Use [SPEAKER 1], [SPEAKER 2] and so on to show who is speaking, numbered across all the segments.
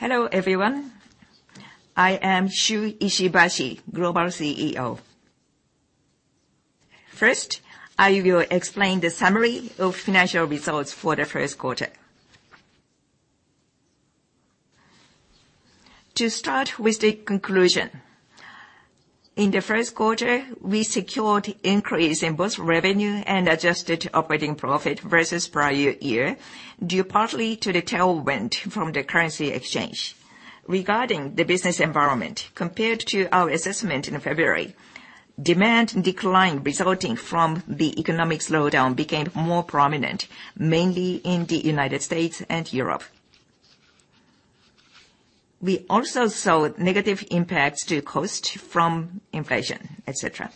[SPEAKER 1] Hello, everyone. I am Shuichi Ishibashi, Global CEO. First, I will explain the summary of financial results for the first quarter. To start with the conclusion, in the first quarter, we secured increase in both revenue and adjusted operating profit versus prior year, due partly to the tailwind from the currency exchange. Regarding the business environment, compared to our assessment in February, demand decline resulting from the economic slowdown became more prominent, mainly in the United States and Europe. We also saw negative impacts to cost from inflation, et cetera.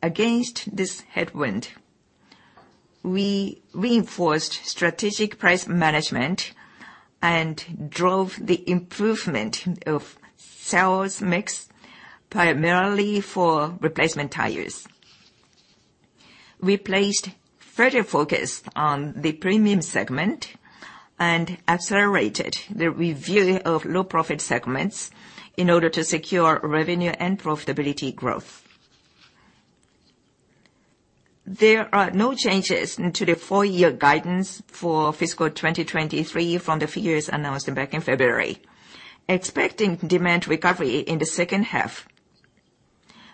[SPEAKER 1] Against this headwind, we reinforced strategic price management and drove the improvement of sales mix primarily for replacement tires. We placed further focus on the premium segment and accelerated the review of low-profit segments in order to secure revenue and profitability growth. There are no changes to the full-year guidance for fiscal 2023 from the figures announced back in February. Expecting demand recovery in the second half,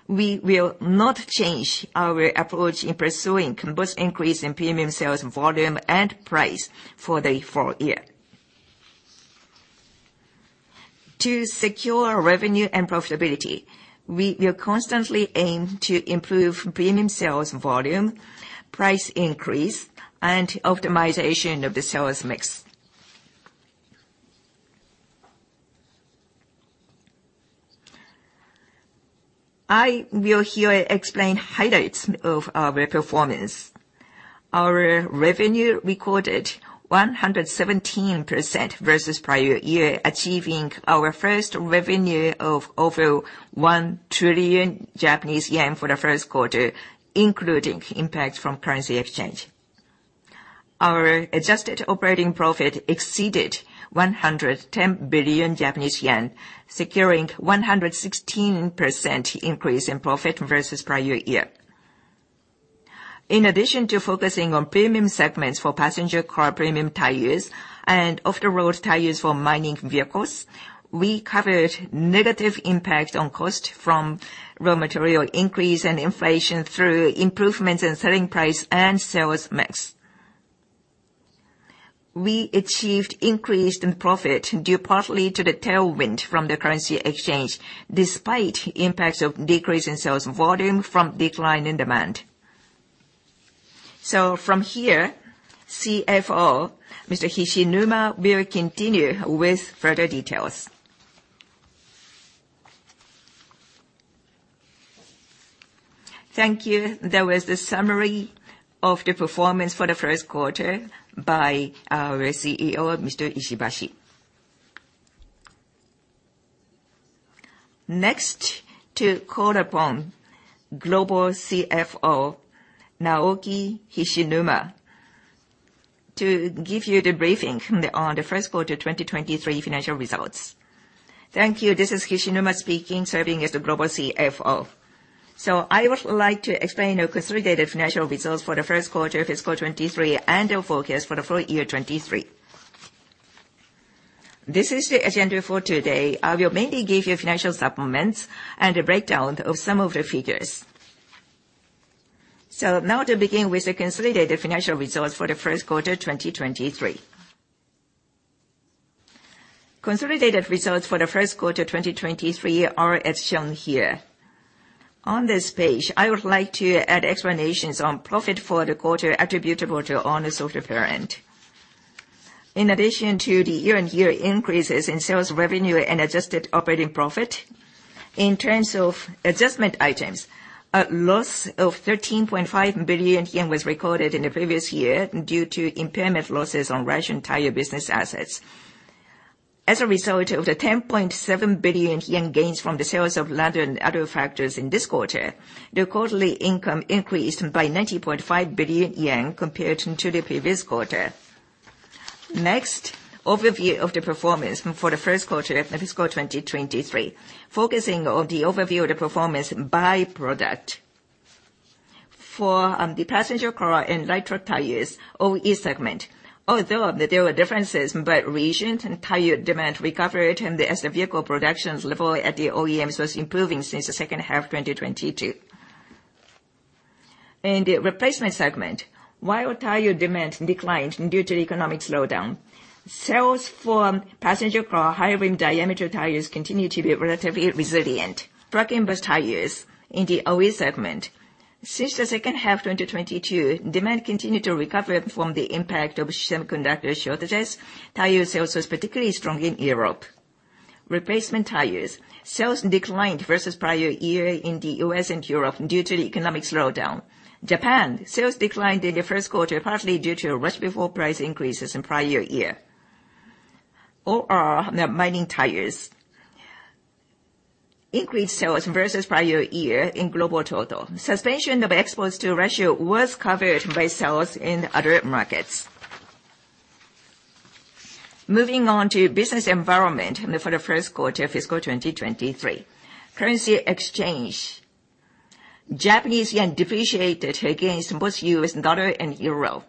[SPEAKER 1] we will not change our approach in pursuing both increase in premium sales volume and price for the full year. To secure revenue and profitability, we will constantly aim to improve premium sales volume, price increase, and optimization of the sales mix. I will here explain highlights of our performance. Our revenue recorded 117% versus prior year, achieving our first revenue of over 1 trillion Japanese yen for the first quarter, including impact from currency exchange. Our adjusted operating profit exceeded 110 billion Japanese yen, securing 116% increase in profit versus prior year. In addition to focusing on premium segments for passenger car premium tires and off-the-road tires for mining vehicles, we covered negative impact on cost from raw material increase and inflation through improvements in selling price and sales mix. We achieved increase in profit due partly to the tailwind from the currency exchange, despite impacts of decrease in sales volume from decline in demand. From here, CFO Hishinuma will continue with further details.
[SPEAKER 2] Thank you. That was the summary of the performance for the first quarter by our CEO, Mr. Ishibashi.Next to call upon Global CFO Naoki Hishinuma to give you the briefing on the first quarter 2023 financial results.
[SPEAKER 3] Thank you. This is Hishinuma speaking, serving as the Global CFO. I would like to explain our consolidated financial results for the first quarter of fiscal 2023 and our forecast for the full year 2023. This is the agenda for today. I will mainly give you financial supplements and a breakdown of some of the figures. Now to begin with the consolidated financial results for the first quart2er 2023. Consolidated results for the first quarter 2023 are as shown here. On this page, I would like to add explanations on profit for the quarter attributable to owners of parent. In addition to the year-on-year increases in sales revenue and adjusted operating profit, in terms of adjustment items, a loss of 13.5 billion yen was recorded in the previous year due to impairment losses on Russian tire business assets. As a result of the 10.7 billion yen gains from the sales of land and other factors in this quarter, the quarterly income increased by 90.5 billion yen compared to the previous quarter. Overview of the performance for the first quarter of fiscal 2023, focusing on the overview of the performance by product. For the passenger car and light truck tires, OE segment, although there were differences by region, tire demand recovered as the vehicle productions level at the OEMs was improving since the second half 2022. In the Replacement segment, while tire demand declined due to economic slowdown, sales for passenger car high rim diameter tires continued to be relatively resilient. Truck and bus tires in the OE segment, since the second half 2022, demand continued to recover from the impact of semiconductor shortages. Tire sales was particularly strong in Europe. Replacement tires, sales declined versus prior year in the U.S. and Europe due to the economic slowdown. Japan, sales declined in the first quarter partly due to rush before price increases in prior year. The mining tires, increased sales versus prior year in global total. Suspension of exports to Russia was covered by sales in other markets. Moving on to business environment for the first quarter of fiscal 2023. Currency exchange. Japanese yen depreciated against both U.S. dollar and euro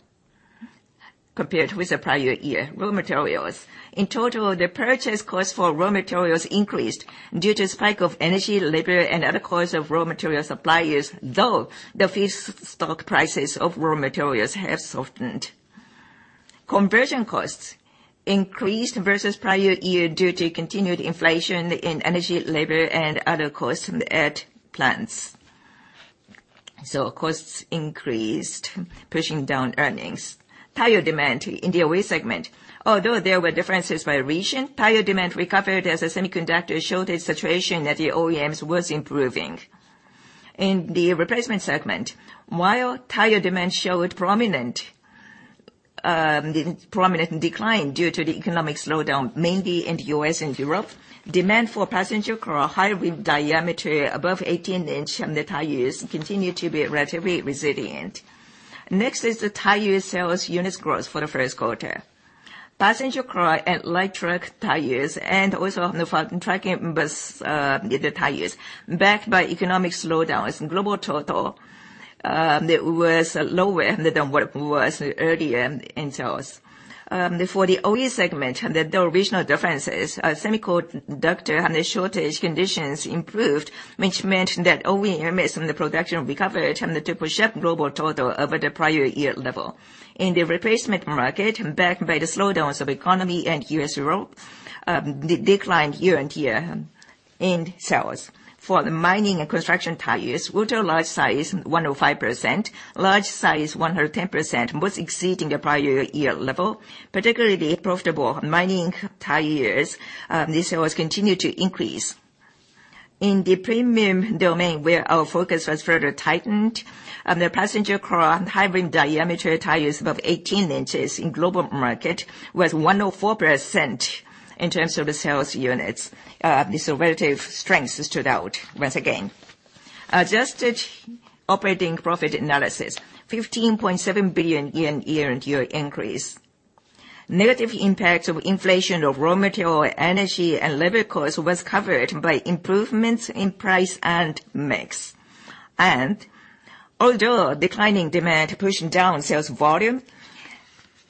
[SPEAKER 3] compared with the prior year. Raw materials. In total, the purchase cost for raw materials increased due to spike of energy, labor, and other costs of raw material suppliers, though the fees stock prices of raw materials have softened. Conversion costs increased versus prior year due to continued inflation in energy, labor, and other costs at plants. Costs increased, pushing down earnings. Tire demand in the OE segment. Although there were differences by region, tire demand recovered as a semiconductor shortage situation at the OEMs was improving. In the replacement segment, while tire demand showed prominent decline due to the economic slowdown, mainly in the U.S. and Europe, demand for passenger car high rim diameter above 18 inch in the tires continued to be relatively resilient. The tire sales units growth for the first quarter. Passenger car and light truck tires and also on the front truck and bus, the tires, backed by economic slowdowns in global total, it was lower than what it was earlier in sales. For the OE segment and the regional differences, semiconductor and the shortage conditions improved, which meant that OEM is on the production recovered and to push up global total over the prior year level. In the replacement market, backed by the slowdowns of economy in U.S. and Europe, they declined year-on-year in sales. For the mining and construction tires, ultra-large size 105%, large size 110%, both exceeding the prior year level, particularly profitable mining tires, the sales continued to increase. In the premium domain, where our focus was further tightened, and the passenger car high rim diameter tires above 18 inches in global market was 104% in terms of the sales units. This relative strength stood out once again. Adjusted operating profit analysis, 15.7 billion yen year-on-year increase. Negative impacts of inflation of raw material, energy and labor costs was covered by improvements in price and mix. Although declining demand pushing down sales volume,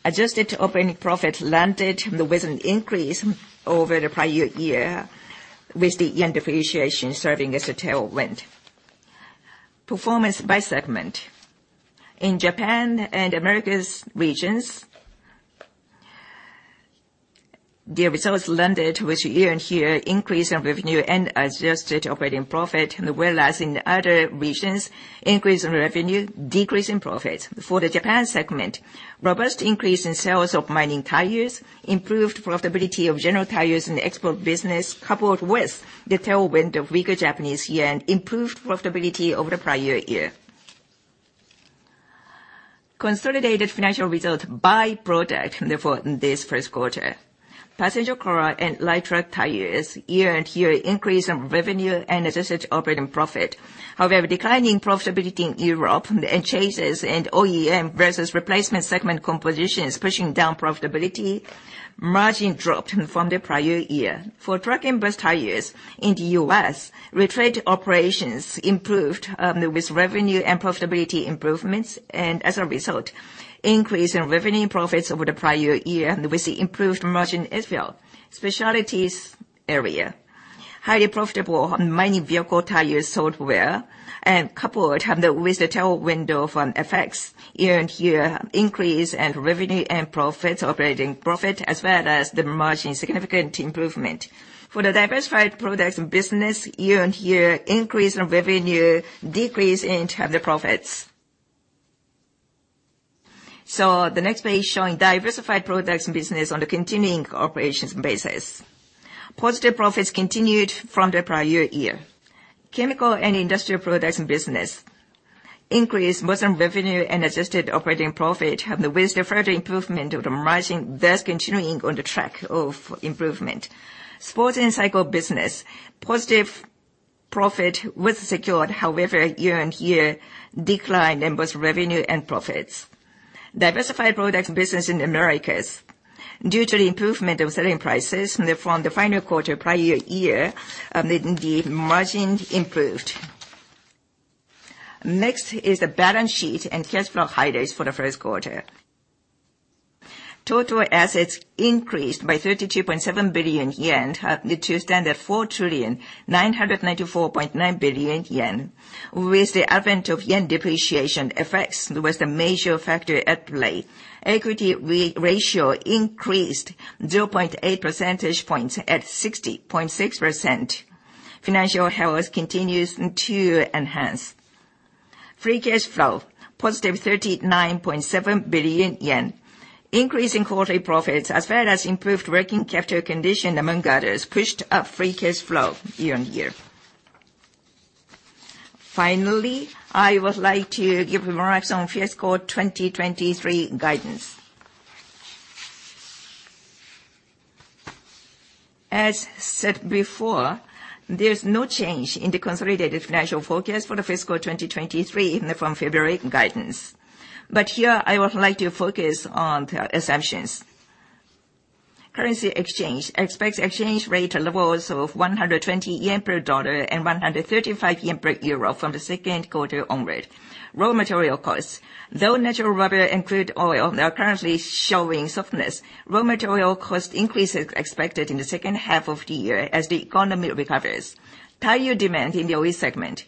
[SPEAKER 3] adjusted operating profit landed with an increase over the prior year, with the yen depreciation serving as a tailwind. Performance by segment. In Japan and Americas regions, the results landed with year-on-year increase in revenue and adjusted operating profit, and as well as in other regions, increase in revenue, decrease in profits. For the Japan segment, robust increase in sales of mining tires, improved profitability of general tires in the export business coupled with the tailwind of weaker Japanese yen improved profitability over the prior year. Consolidated financial results by product therefore in this first quarter. Passenger car and light truck tires year-on-year increase in revenue and adjusted operating profit. However, declining profitability in Europe and changes in OEM versus replacement segment composition is pushing down profitability. Margin dropped from the prior year. For Truck and Bus tires in the U.S., retread operations improved with revenue and profitability improvements, and as a result, increase in revenue profits over the prior year with the improved margin as well. Specialties area. Highly profitable mining vehicle tires sold well and coupled with the tailwind of FX, year-on-year increase in revenue and profits, operating profit, as well as the margin significant improvement. For the diversified products and business, year-on-year increase in revenue, decrease in the profits. The next page showing diversified products and business on the continuing operations basis. Positive profits continued from the prior year. Chemical and Industrial products and business increased both in revenue and adjusted operating profit with the further improvement of the margin, thus continuing on the track of improvement. Sports and cycle business. Positive profit was secured, however, year-on-year decline in both revenue and profits. Diversified products business in Americas. Due to the improvement of selling prices from the final quarter prior year, the margin improved. Next is the balance sheet and cash flow highlights for the first quarter. Total assets increased by 32.7 billion yen to stand at 4,994.9 billion yen. With the advent of yen depreciation effects was the major factor at play. Equity ratio increased 0.8 percentage points at 60.6%. Financial health continues to enhance. Free cash flow, positive 39.7 billion yen. Increasing quarterly profits as well as improved working capital condition among others pushed up free cash flow year-on-year. Finally, I would like to give remarks on fiscal 2023 guidance. As said before, there's no change in the consolidated financial forecast for the fiscal 2023 from February guidance. Here, I would like to focus on the assumptions. Currency exchange expects exchange rate levels of 120 yen per dollar and 135 yen per euro from the second quarter onward. Raw material costs. Though natural rubber and crude oil are currently showing softness, raw material cost increase is expected in the second half of the year as the economy recovers. Tire demand in the OE segment,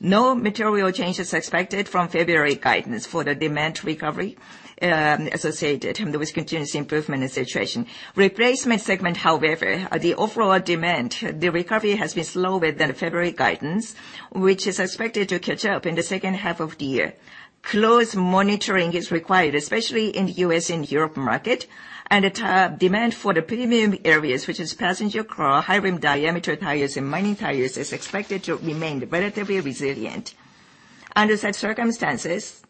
[SPEAKER 3] no material change is expected from February guidance for the demand recovery, associated with continuous improvement in situation. Replacement segment, however, the overall demand, the recovery has been slower than the February guidance, which is expected to catch up in the second half of the year. Close monitoring is required, especially in the U.S. and Europe market. The demand for the premium areas, which is passenger car, high rim diameter tires, and mining tires, is expected to remain relatively resilient. Under such circumstances,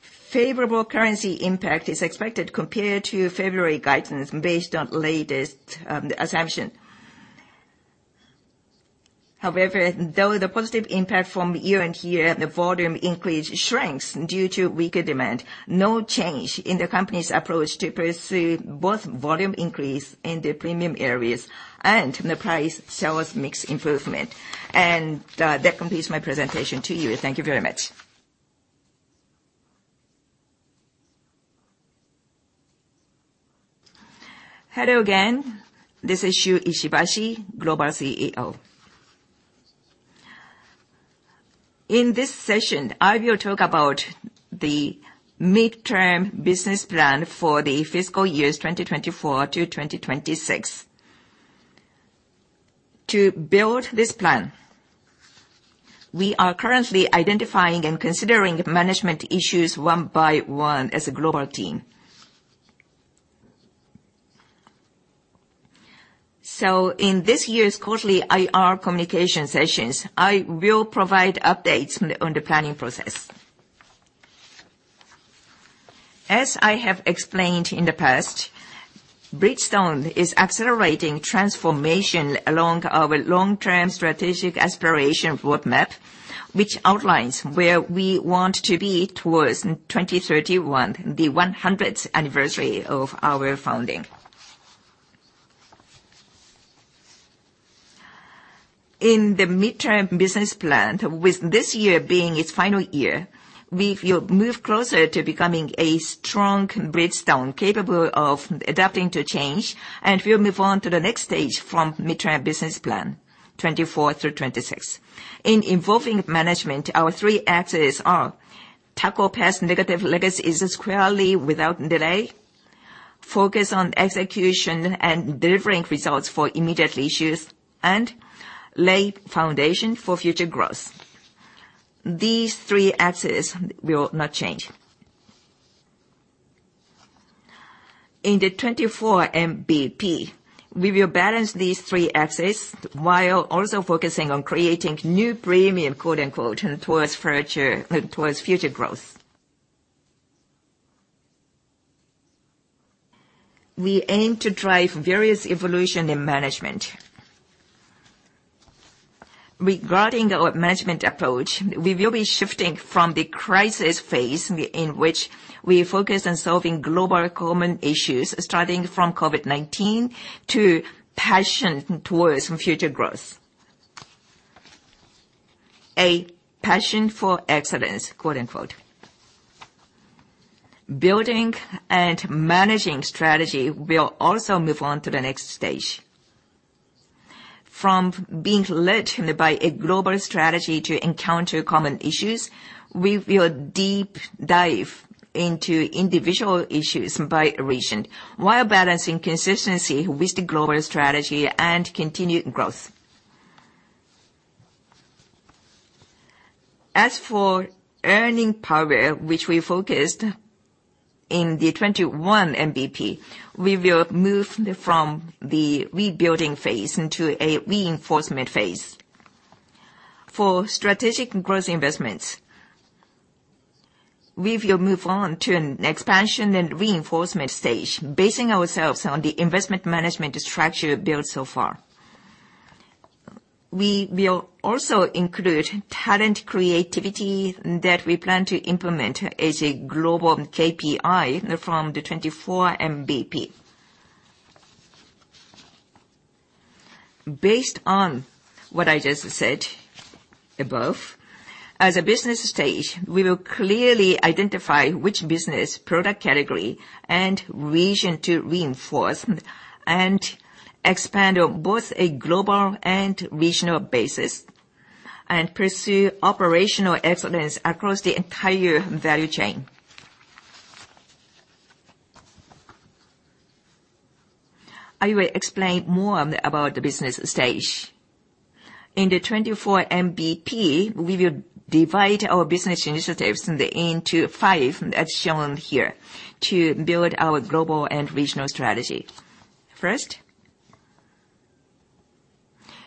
[SPEAKER 3] favorable currency impact is expected compared to February guidance based on latest assumption. However, though the positive impact from year-on-year, the volume increase shrinks due to weaker demand. No change in the company's approach to pursue both volume increase in the premium areas and the price sales mix improvement. That completes my presentation to you. Thank you very much.
[SPEAKER 1] Hello again. This is Shuichi Ishibashi, Global CEO. In this session, I will talk about the Mid-Term Business Plan for the fiscal years 2024 to 2026. To build this plan, we are currently identifying and considering management issues one by one as a global team. In this year's quarterly IR communication sessions, I will provide updates on the planning process. As I have explained in the past, Bridgestone is accelerating transformation along our long-term strategic aspiration roadmap, which outlines where we want to be towards 2031, the 100th anniversary of our founding. In the Mid-Term Business Plan, with this year being its final year, we will move closer to becoming a strong Bridgestone capable of adapting to change. We'll move on to the next stage from Mid-Term Business Plan, 2024 through 2026. In involving management, our three axes are tackle past negative legacies squarely without delay, focus on execution and delivering results for immediate issues, and lay foundation for future growth. These three axes will not change. In the 2024 MBP, we will balance these three axes while also focusing on creating new "premium" towards future growth. We aim to drive various evolution in management. Regarding our management approach, we will be shifting from the crisis phase in which we focus on solving global common issues, starting from COVID-19, to passion towards future growth. A "passion for excellence." Building and managing strategy will also move on to the next stage. From being led by a global strategy to encounter common issues, we will deep dive into individual issues by region while balancing consistency with the global strategy and continued growth. As for earning power, which we focused in the 2021 MBP, we will move from the rebuilding phase into a reinforcement phase. For strategic growth investments, we will move on to an expansion and reinforcement stage, basing ourselves on the investment management structure built so far. We will also include talent creativity that we plan to implement as a global KPI from the 2024 MBP. Based on what I just said above, as a business stage, we will clearly identify which business product category and region to reinforce and expand on both a global and regional basis, and pursue operational excellence across the entire value chain. I will explain more about the business stage. In the 2024 MBP, we will divide our business initiatives into five, as shown here, to build our global and regional strategy. First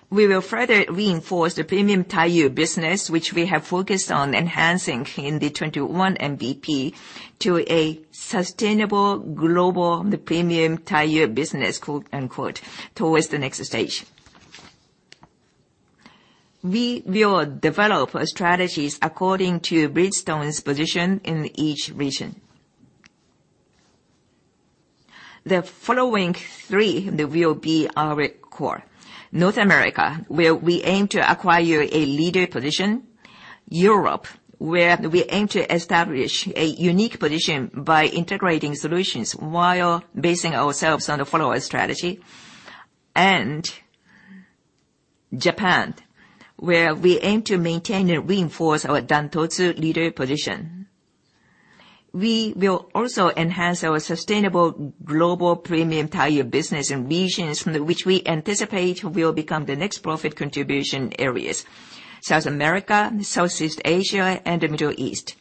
[SPEAKER 1] we will further reinforce the premium tire business, which we have focused on enhancing in the 2021 MBP to a sustainable global premium tire business, quote, unquote, towards the next stage. We will develop strategies according to Bridgestone's position in each region. The following three they will be our core. North America, where we aim to acquire a leader position. Europe, where we aim to establish a unique position by integrating solutions while basing ourselves on the follow-on strategy. Japan, where we aim to maintain and reinforce our Dantotsu leader position. We will also enhance our sustainable global premium tire business in regions from which we anticipate will become the next profit contribution areas, South America, Southeast Asia, and the Middle East.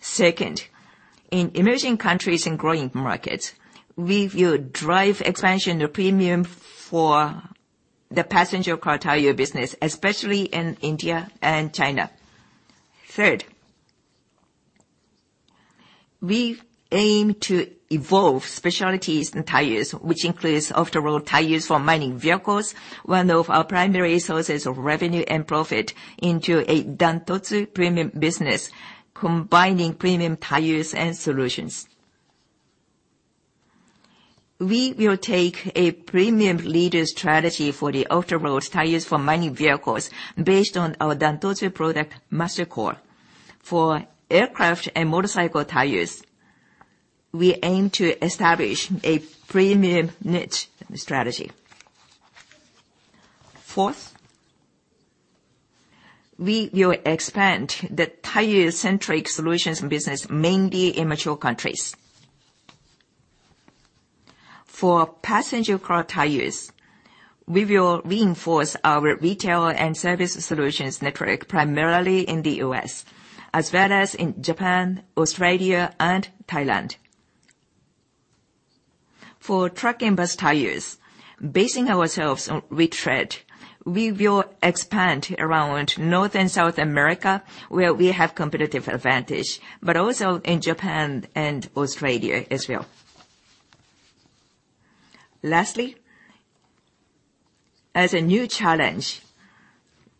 [SPEAKER 1] Second, in emerging countries and growing markets, we will drive expansion of premium for the passenger car tire business, especially in India and China. Third, we aim to evolve specialties and tires, which includes off-the-road tires for mining vehicles, one of our primary sources of revenue and profit into a Dantotsu premium business combining premium tires and solutions. We will take a premium leader strategy for the off-the-road tires for mining vehicles based on our Dan-Totsu product MasterCore. For aircraft and motorcycle tires, we aim to establish a premium niche strategy. Fourth, we will expand the tire-centric solutions business, mainly in mature countries. For Passenger car tires, we will reinforce our retail and service solutions network primarily in the U.S. as well as in Japan, Australia, and Thailand. For Truck and Bus tires, basing ourselves on retread, we will expand around North and South America, where we have competitive advantage, but also in Japan and Australia as well. Lastly, as a new challenge,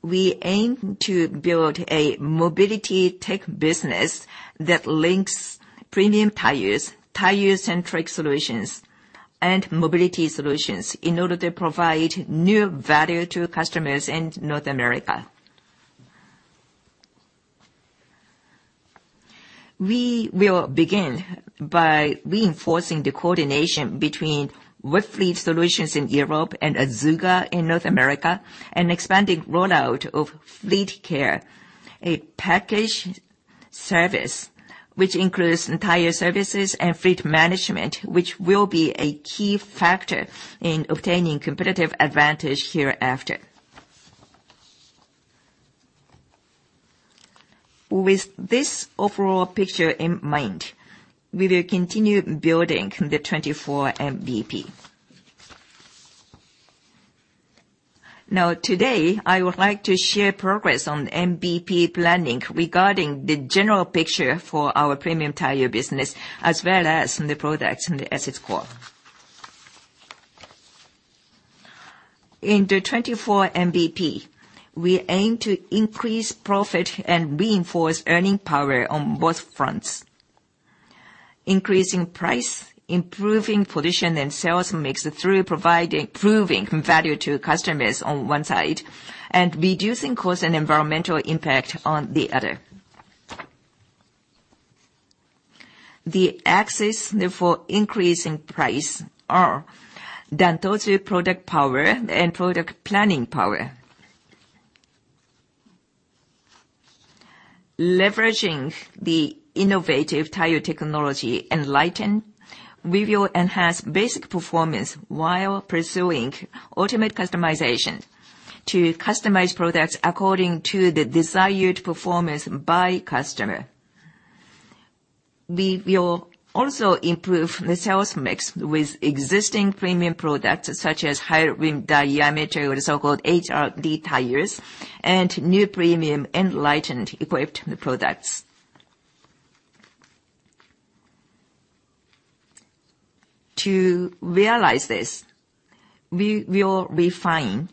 [SPEAKER 1] we aim to build a mobility tech business that links premium tires, tire-centric solutions, and mobility solutions in order to provide new value to customers in North America. We will begin by reinforcing the coordination between Webfleet Solutions in Europe and Azuga in North America, and expanding rollout of Fleet Care, a package service which includes tire services and fleet management, which will be a key factor in obtaining competitive advantage hereafter. With this overall picture in mind, we will continue building the 2024 MBP. Today, I would like to share progress on MBP planning regarding the general picture for our premium tire business, as well as the products and the assets core. In the 2024 MBP, we aim to increase profit and reinforce earning power on both fronts. Increasing price, improving position and sales mix through improving value to customers on one side, and reducing cost and environmental impact on the other. The access for increasing price are Dantotsu product power and product planning power. Leveraging the innovative tire technology ENLITEN, we will enhance basic performance while pursuing ultimate customization to customize products according to the desired performance by customer. We will also improve the sales mix with existing premium products, such as high rim diameter or the so-called HRD tires and new premium ENLITEN-equipped products. To realize this, we will refine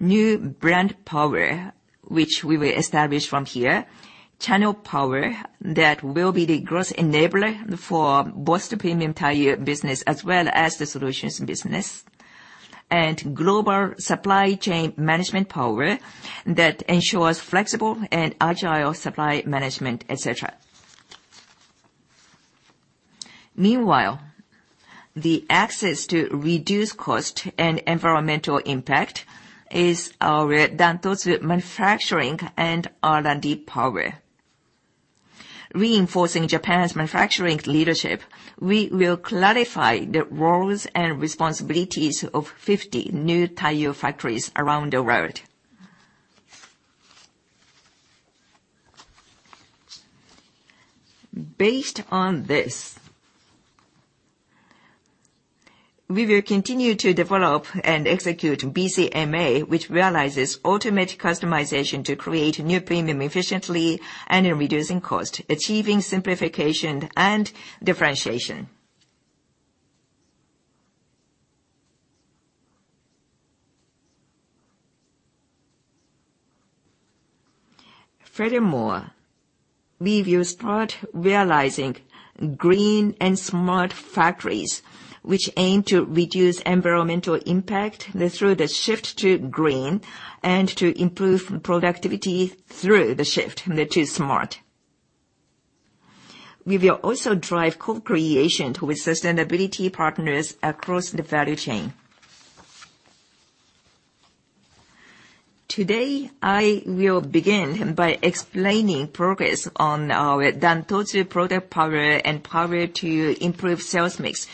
[SPEAKER 1] new brand power, which we will establish from here, channel power that will be the growth enabler for both the premium tire business as well as the solutions business, and global supply chain management power that ensures flexible and agile supply management, et cetera. Meanwhile, the access to reduced cost and environmental impact is our Dantotsu manufacturing and R&D power. Reinforcing Japan's manufacturing leadership, we will clarify the roles and responsibilities of 50 new tire factories around the world. Based on this, we will continue to develop and execute BCMA, which realizes ultimate customization to create new premium efficiently and in reducing cost, achieving simplification and differentiation. Furthermore, we will start realizing Green and Smart factories which aim to reduce environmental impact through the shift to green and to improve productivity through the shift to smart. We will also drive co-creation with sustainability partners across the value chain. Today, I will begin by explaining progress on our Dantotsu product power and power to improve sales mix,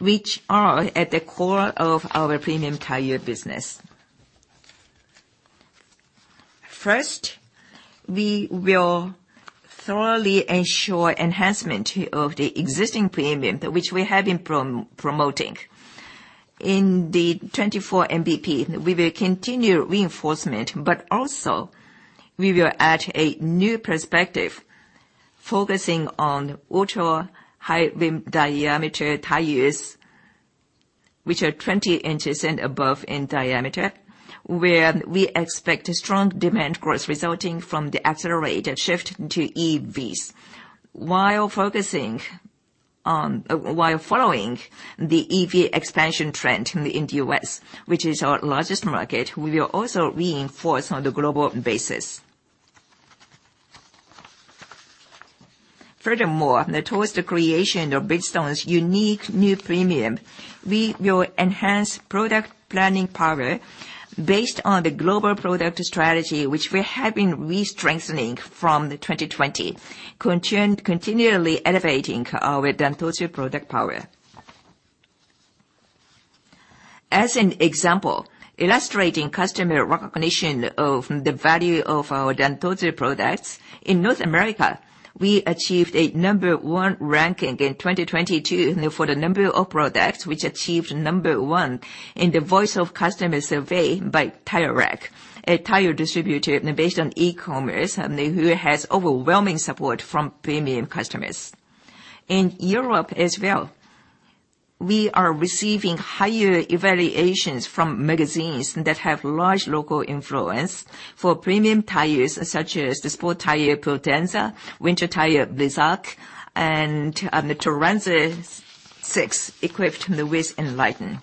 [SPEAKER 1] which are at the core of our premium tire business. First, we will thoroughly ensure enhancement of the existing premium which we have been promoting. In the 2024 MBP, we will continue reinforcement, but also we will add a new perspective focusing on ultra-high rim diameter tires, which are 20 inches and above in diameter, where we expect a strong demand growth resulting from the accelerated shift to EVs. While following the EV expansion trend in the U.S., which is our largest market, we will also reinforce on the global basis. Furthermore, towards the creation of Bridgestone's unique new premium, we will enhance product planning power based on the global product strategy which we have been re-strengthening from 2020, continually elevating our Dantotsu product power. As an example, illustrating customer recognition of the value of our Dantotsu products, in North America, we achieved a number one ranking in 2022 for the number of products which achieved number one in the Voice of Customer survey by Tire Rack, a tire distributor based on e-commerce and who has overwhelming support from premium customers. In Europe as well, we are receiving higher evaluations from magazines that have large local influence for premium tires such as the sport tire Potenza, winter tire Blizzak, and the Turanza 6 equipped with ENLITEN.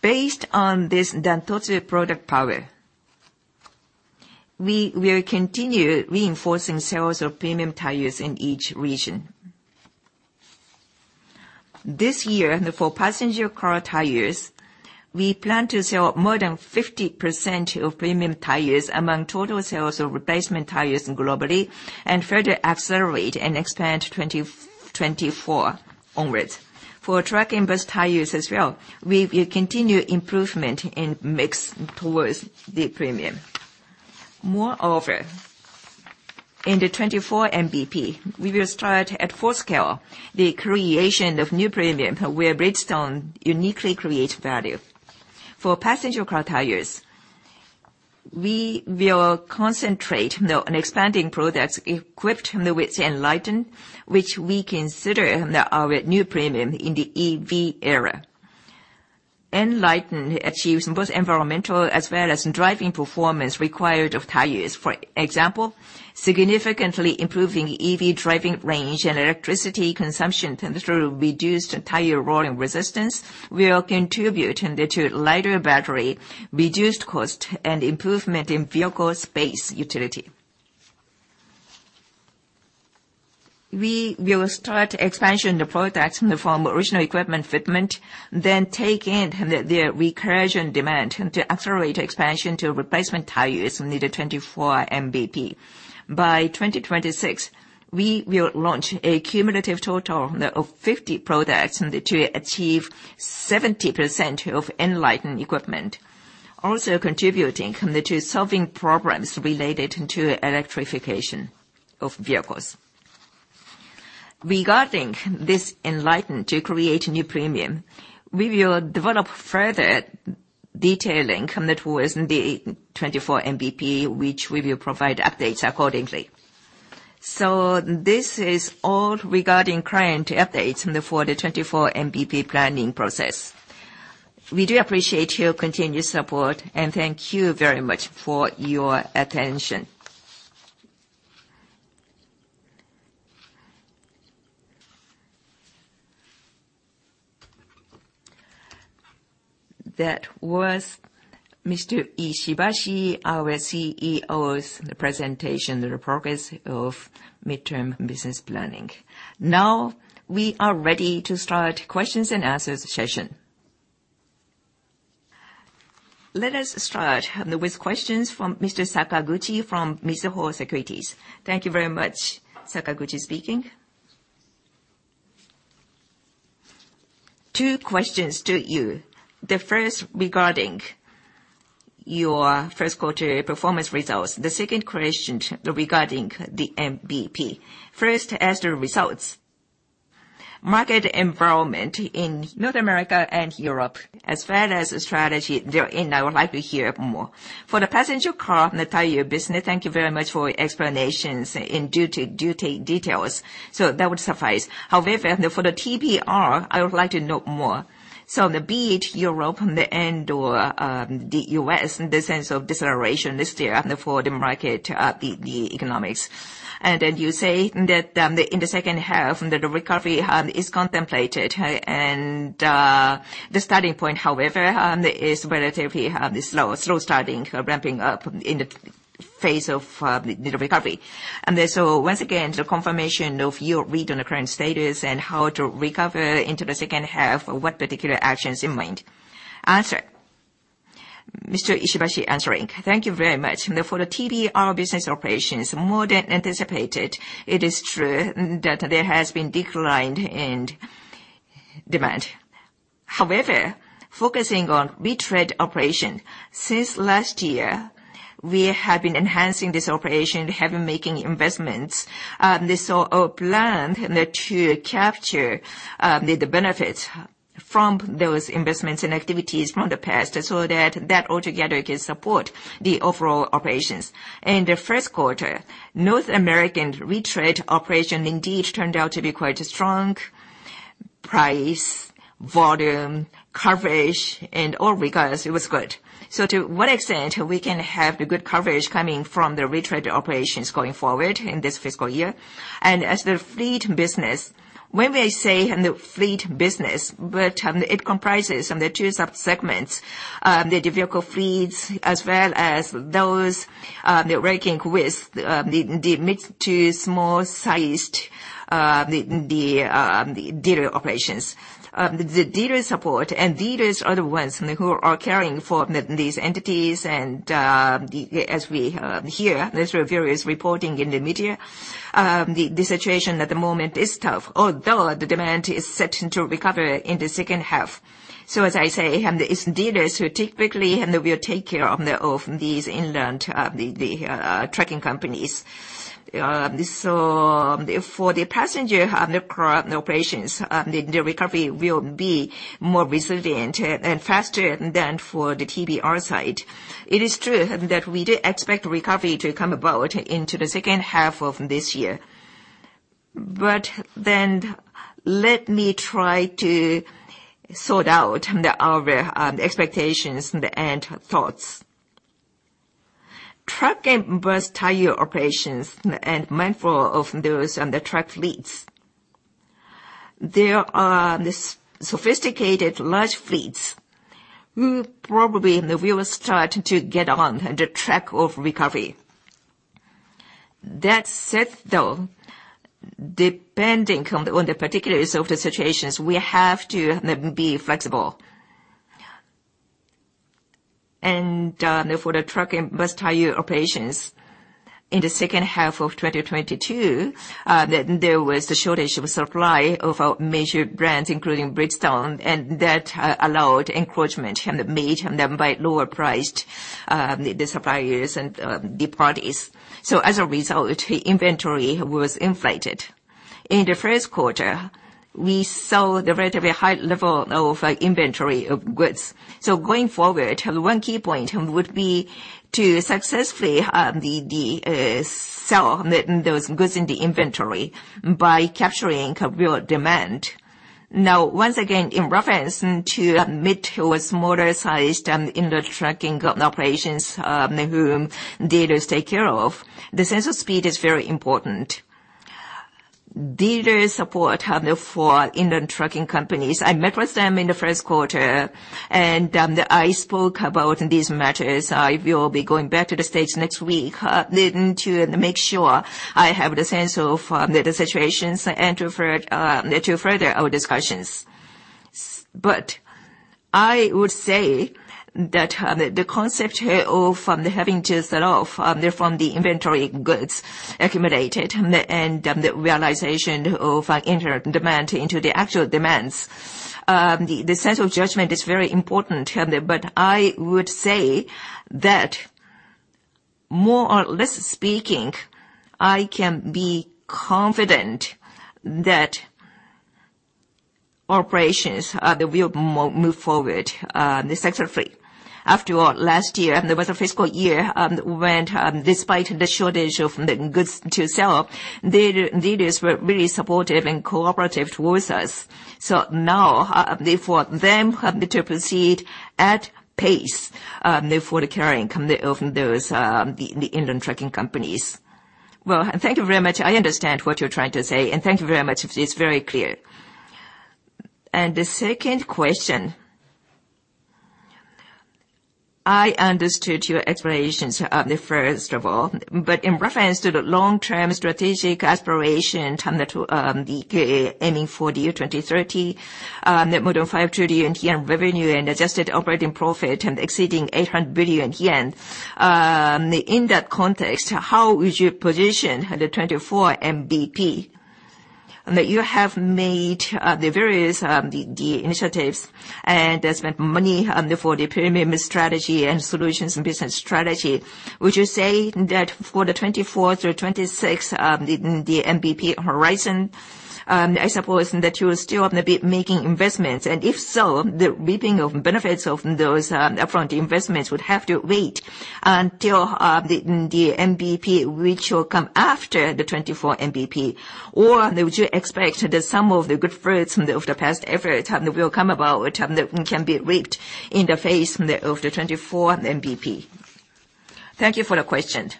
[SPEAKER 1] Based on this Dantotsu product power, we will continue reinforcing sales of premium tires in each region. This year, for passenger car tires, we plan to sell more than 50% of premium tires among total sales of replacement tires globally and further accelerate and expand 2024 onwards. For truck and bus tires as well, we will continue improvement in mix towards the premium. Moreover, in the 2024 MBP, we will start at full scale the creation of new premium where Bridgestone uniquely create value. For passenger car tires, we will concentrate on expanding products equipped with ENLITEN, which we consider our new premium in the EV era. ENLITEN achieves both environmental as well as driving performance required of tires. For example, significantly improving EV driving range and electricity consumption through reduced tire rolling resistance will contribute to lighter battery, reduced cost, and improvement in vehicle space utility. We will start expansion of products from original equipment fitment, then take in the recursion demand to accelerate expansion to replacement tires in the 2024 MBP. By 2026, we will launch a cumulative total of 50 products to achieve 70% of ENLITEN equipment, also contributing to solving problems related to electrification of vehicles. Regarding this ENLITEN to create new premium, we will develop further detailing towards the 2024 MBP, which we will provide updates accordingly. This is all regarding current updates for the 2024 MBP planning process. We do appreciate your continued support and thank you very much for your attention.
[SPEAKER 2] That was Mr. Ishibashi, our CEO's presentation, the progress of Mid-Term Business Plan. We are ready to start questions and answers session. Let us start with questions from Mr. Sakaguchi from Mizuho Securities.
[SPEAKER 4] Thank you very much. Sakaguchi speaking. Two questions to you. The first regarding your first quarter performance results. The second question regarding the MBP. First, as to results. Market environment in North America and Europe, as well as the strategy therein, I would like to hear more. For the passenger car and the tire business, thank you very much for your explanations in duty details. That would suffice. However, for the TBR, I would like to know more. The BEIT, Europe, and or the US in the sense of deceleration this year for the market, the economics. You say that in the second half, the recovery is contemplated. The starting point, however, is relatively slow starting, ramping up in the phase of the recovery. Once again, the confirmation of your read on the current status and how to recover into the second half, what particular actions in mind? Thank you very much.
[SPEAKER 1] For the TBR business operations, more than anticipated, it is true that there has been decline in demand. However, focusing on retread operation, since last year we have been enhancing this operation, have been making investments. This will help land to capture the benefits from those investments and activities from the past so that altogether can support the overall operations. In the first quarter, North American retread operation indeed turned out to be quite strong. Price, volume, coverage, in all regards it was good. To what extent we can have the good coverage coming from the retread operations going forward in this fiscal year? As the fleet business, when we say the fleet business, but, it comprises the two sub-segments, the vehicle fleets as well as those working with the mid to small-sized, the dealer operations. The dealer support and dealers are the ones who are caring for these entities and, as we hear through various reporting in the media, the situation at the moment is tough. Although the demand is set to recover in the second half. As I say, it's dealers who typically will take care of the, of these inland, the trucking companies. For the passenger, operations, the recovery will be more resilient and faster than for the TBR side. It is true that we do expect recovery to come about into the second half of this year. Let me try to sort out the other expectations and thoughts. Truck and Bus tire operations and mindful of those on the truck fleets. There are the sophisticated large fleets who probably will start to get on the track of recovery. That said, though, depending on the particulars of the situations, we have to be flexible. For the truck and bus tire operations, in the second half of 2022, there was a shortage of supply of major brands, including Bridgestone, and that allowed encroachment made by lower priced suppliers and the parties. As a result, inventory was inflated. In the first quarter, we saw the relatively high level of inventory of goods. Going forward, one key point would be to successfully sell those goods in the inventory by capturing real demand. Once again, in reference to mid to smaller-sized and inland trucking operations, whom dealers take care of, the sense of speed is very important. Dealers support for inland trucking companies. I met with them in the first quarter, and I spoke about these matters. I will be going back to the States next week, then to make sure I have the sense of the situations and to further our discussions. I would say that the concept of having to sell off from the inventory goods accumulated and the realization of internal demand into the actual demands, the sense of judgment is very important. I would say that more or less speaking, I can be confident that operations, they will move forward successfully. After all, last year there was a fiscal year when despite the shortage of the goods to sell, dealers were really supportive and cooperative towards us. Now for them to proceed at pace for the carrying of those, the inland trucking companies.
[SPEAKER 4] Well, thank you very much. I understand what you're trying to say, and thank you very much. It's very clear. The second question. I understood your explanations at the first of all, but in reference to the long-term strategic aspiration to the aiming for the 2030 net more than 5 trillion yen revenue and adjusted operating profit and exceeding 800 billion yen. In that context, how is your position at the 2024 MBP? That you have made the various initiatives and spent money for the premium strategy and solutions and business strategy. Would you say that for the 2024 through 2026, the MBP horizon, I suppose that you are still gonna be making investments? If so, the reaping of benefits of those upfront investments would have to wait until the MBP which will come after the 2024 MBP. Would you expect that some of the good fruits of the past effort will come about, which can be reaped in the phase of the 2024 MBP?
[SPEAKER 1] Thank you for the question.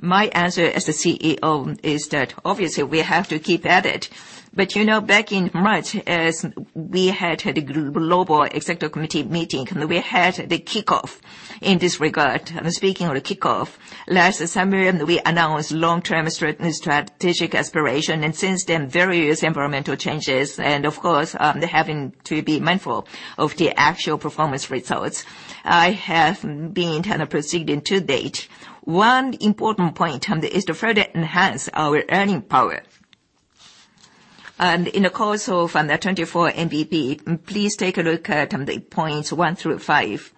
[SPEAKER 1] My answer as the CEO is that obviously we have to keep at it. You know, back in March, as we had a global executive committee meeting, we had the kickoff in this regard. Speaking of the kickoff, last summer we announced long-term strategic aspiration, since then, various environmental changes and of course, having to be mindful of the actual performance results, I have been kind of proceeding to date. One important point is to further enhance our earning power. In the course of the 2024 MBP, please take a look at the points one through five,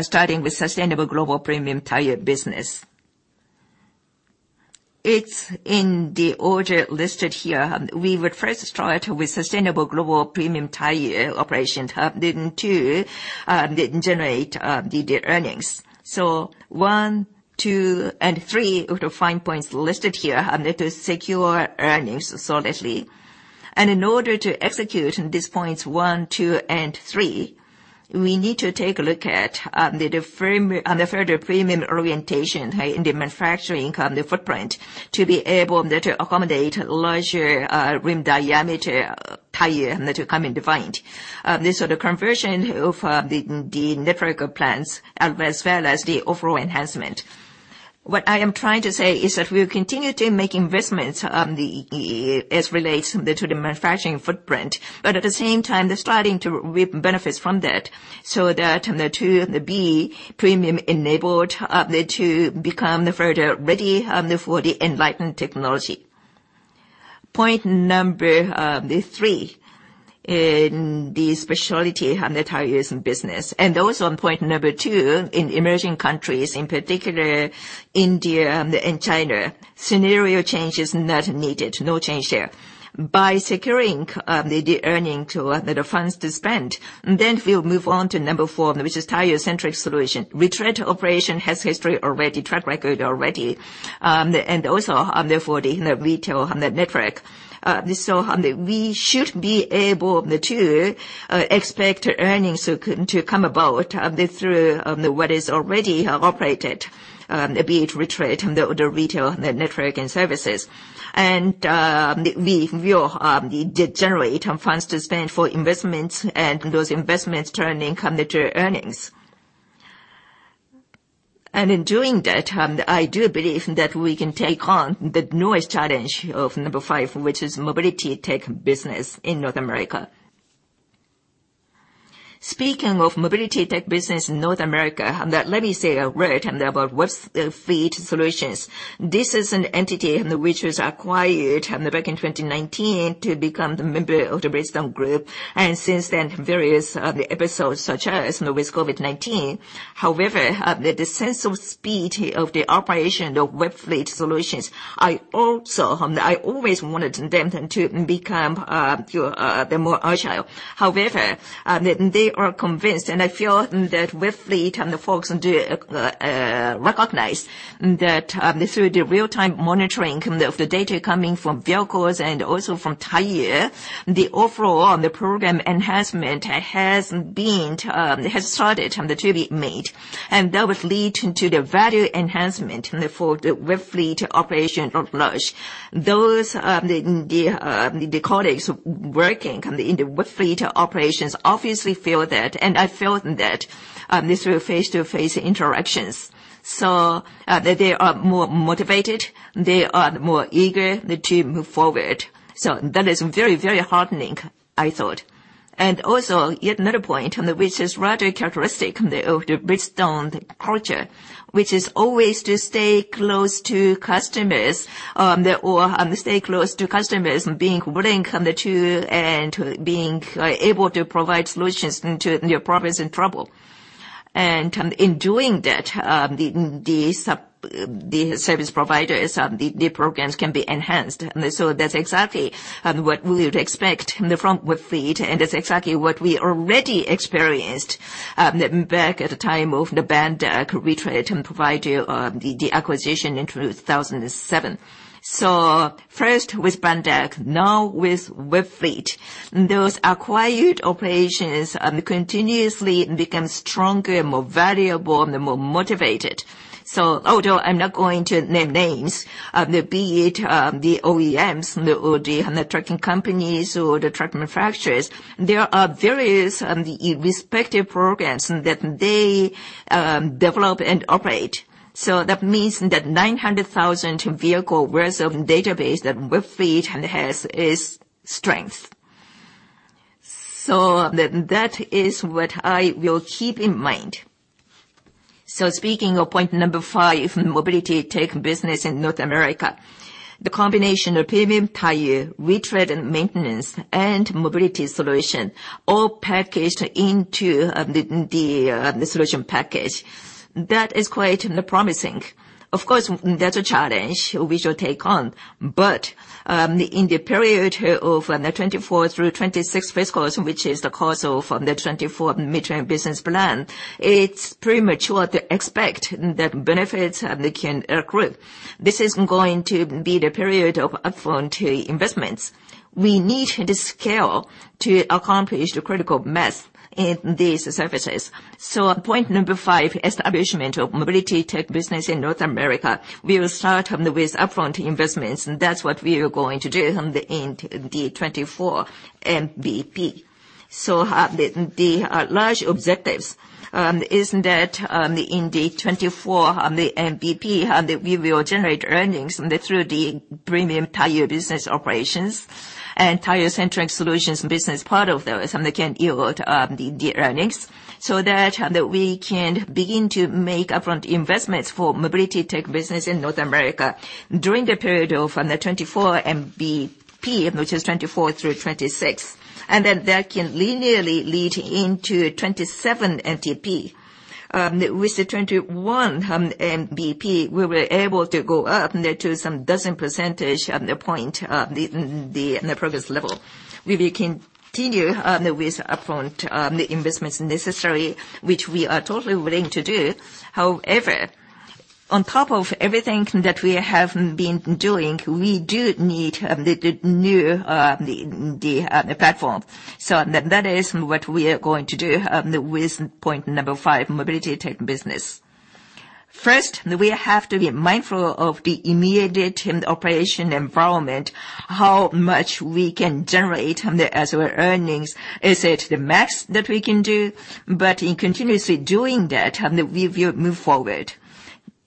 [SPEAKER 1] starting with sustainable global premium tire business. It's in the order listed here. We would first start with sustainable global premium tire operations hub, two, generate the earnings. One, two, and three are the fine points listed here and that will secure earnings solidly. In order to execute on these points one, two, and three, we need to take a look at the further premium orientation in the manufacturing footprint to be able to accommodate larger rim diameter tire that will come into mind. This is a conversion of the network plans as well as the overall enhancement. What I am trying to say is that we'll continue to make investments as relates to the manufacturing footprint, but at the same time, they're starting to reap benefits from that, so that the two, the B premium enabled up there to become further ready for the ENLITEN technology. Point number three. In the speciality tires and business, and also on point number two in emerging countries, in particular India and China, scenario change is not needed. No change there. By securing the earning to the funds to spend, we'll move on to number four, which is tire centric solution. Retread operation has history already, track record already. Also, therefore the retail network. We should be able to expect earnings to come about through what is already operated, be it retread, the other retail network and services. We, we'll generate funds to spend for investments and those investments turn income into earnings. In doing that, I do believe that we can take on the newest challenge of number five, which is mobility tech business in North America. Speaking of mobility tech business in North America, let me say a word about Webfleet Solutions. This is an entity which was acquired back in 2019 to become the member of the Bridgestone Group, and since then various episodes such as with COVID-19. However, the sense of speed of the operation of Webfleet Solutions, I also, I always wanted them to become more agile. However, they are convinced and I feel that Webfleet and the folks do recognize that through the real-time monitoring of the data coming from vehicles and also from tire, the overall, the program enhancement has started to be made. That would lead to the value enhancement for the Webfleet operation at large. Those the colleagues working in the Webfleet operations obviously feel that, and I felt that this through face-to-face interactions. They are more motivated, they are more eager to move forward. That is very, very heartening, I thought. Also yet another point, which is rather characteristic of the Bridgestone culture, which is always to stay close to customers, or stay close to customers, being willing to and to being able to provide solutions into your problems and trouble. In doing that, the service providers, the programs can be enhanced. That's exactly what we would expect from Webfleet, and that's exactly what we already experienced back at the time of the Bandag retread provider, the acquisition in 2007. First with Bandag, now with Webfleet. Those acquired operations continuously become stronger, more valuable, and more motivated. Although I'm not going to name names, be it the OEMs or the trucking companies or the truck manufacturers, there are various respective programs that they develop and operate. That means that 900,000 vehicle reserve database that Webfleet has is strength. That is what I will keep in mind. Speaking of point five, mobility tech business in North America, the combination of premium tire, retread and maintenance and mobility solution all packaged into the solution package. That is quite promising. Of course, that's a challenge we shall take on. In the period of the 2024 through 2026 fiscal, which is the course of the 2024 Mid-Term Business Plan, it's premature to expect that benefits they can accrue. This is going to be the period of upfront investments. We need the scale to accomplish the critical mass in these services. Point number five, establishment of mobility tech business in North America, we will start with upfront investments, and that's what we are going to do on the end, the 2024 MBP. The large objectives is that in the 2024 MBP that we will generate earnings through the premium tire business operations and tire centering solutions business, part of those, and they can yield the earnings, so that we can begin to make upfront investments for mobility tech business in North America during the period of the 2024 MBP, which is 2024 through 2026. That can linearly lead into 2027 MTP. With the 2021 MBP, we were able to go up now to some dozen percentage of the point, the progress level. We will continue with upfront investments necessary, which we are totally willing to do. On top of everything that we have been doing, we do need the new platform. That is what we are going to do with point number five, mobility tech business. First, we have to be mindful of the immediate operation environment, how much we can generate as our earnings. Is it the max that we can do? In continuously doing that, we will move forward.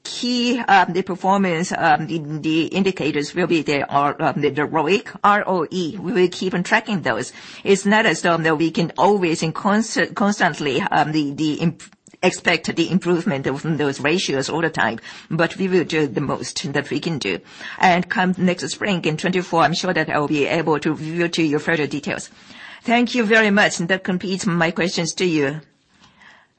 [SPEAKER 1] Key the performance indicators will be the ROIC, ROE. We will keep on tracking those. It's not as though that we can always and constantly, the expect the improvement of those ratios all the time, but we will do the most that we can do. Come next spring in 2024, I'm sure that I will be able to reveal to you further details.
[SPEAKER 4] Thank you very much. That completes my questions to you.